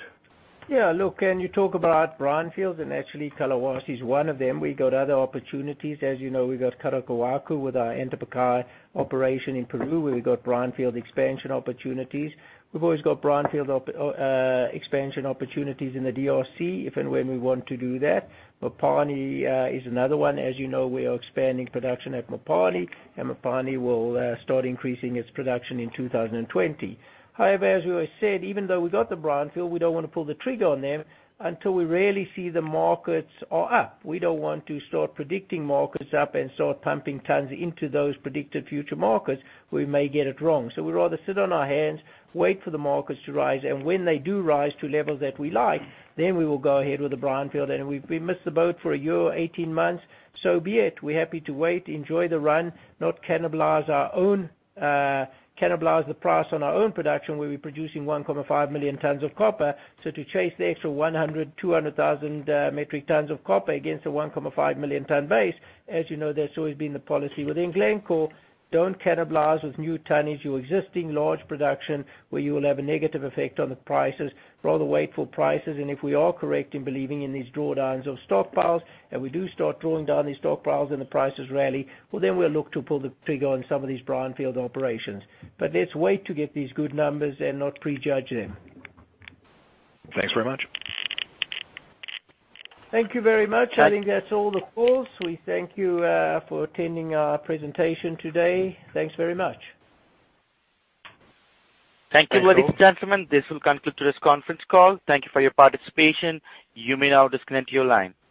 Speaker 2: Can you talk about brownfields? Actually, Collahuasi is one of them. We got other opportunities. As you know, we've got Coroccohuayco with our Antapaccay operation in Peru, where we got brownfield expansion opportunities. We've always got brownfield expansion opportunities in the DRC, if and when we want to do that. Mopani is another one. As you know, we are expanding production at Mopani, and Mopani will start increasing its production in 2020. As we always said, even though we got the brownfield, we don't want to pull the trigger on them until we really see the markets are up. We don't want to start predicting markets up and start pumping tons into those predicted future markets. We may get it wrong. We'd rather sit on our hands, wait for the markets to rise, and when they do rise to levels that we like, then we will go ahead with the brownfield. If we missed the boat for 1 year or 18 months, so be it. We're happy to wait, enjoy the run, not cannibalize the price on our own production, where we're producing 1.5 million tons of copper. To chase the extra 100,000-200,000 metric tons of copper against a 1.5 million ton base, as you know, that's always been the policy within Glencore. Don't cannibalize with new tonnage your existing large production, where you will have a negative effect on the prices. Rather wait for prices, and if we are correct in believing in these drawdowns of stockpiles, and we do start drawing down these stockpiles and the prices rally, well, then we'll look to pull the trigger on some of these brownfield operations. Let's wait to get these good numbers and not prejudge them.
Speaker 3: Thanks very much.
Speaker 2: Thank you very much. I think that's all the calls. We thank you for attending our presentation today. Thanks very much.
Speaker 1: Thank you, ladies and gentlemen. This will conclude today's conference call. Thank you for your participation. You may now disconnect your line. Bye.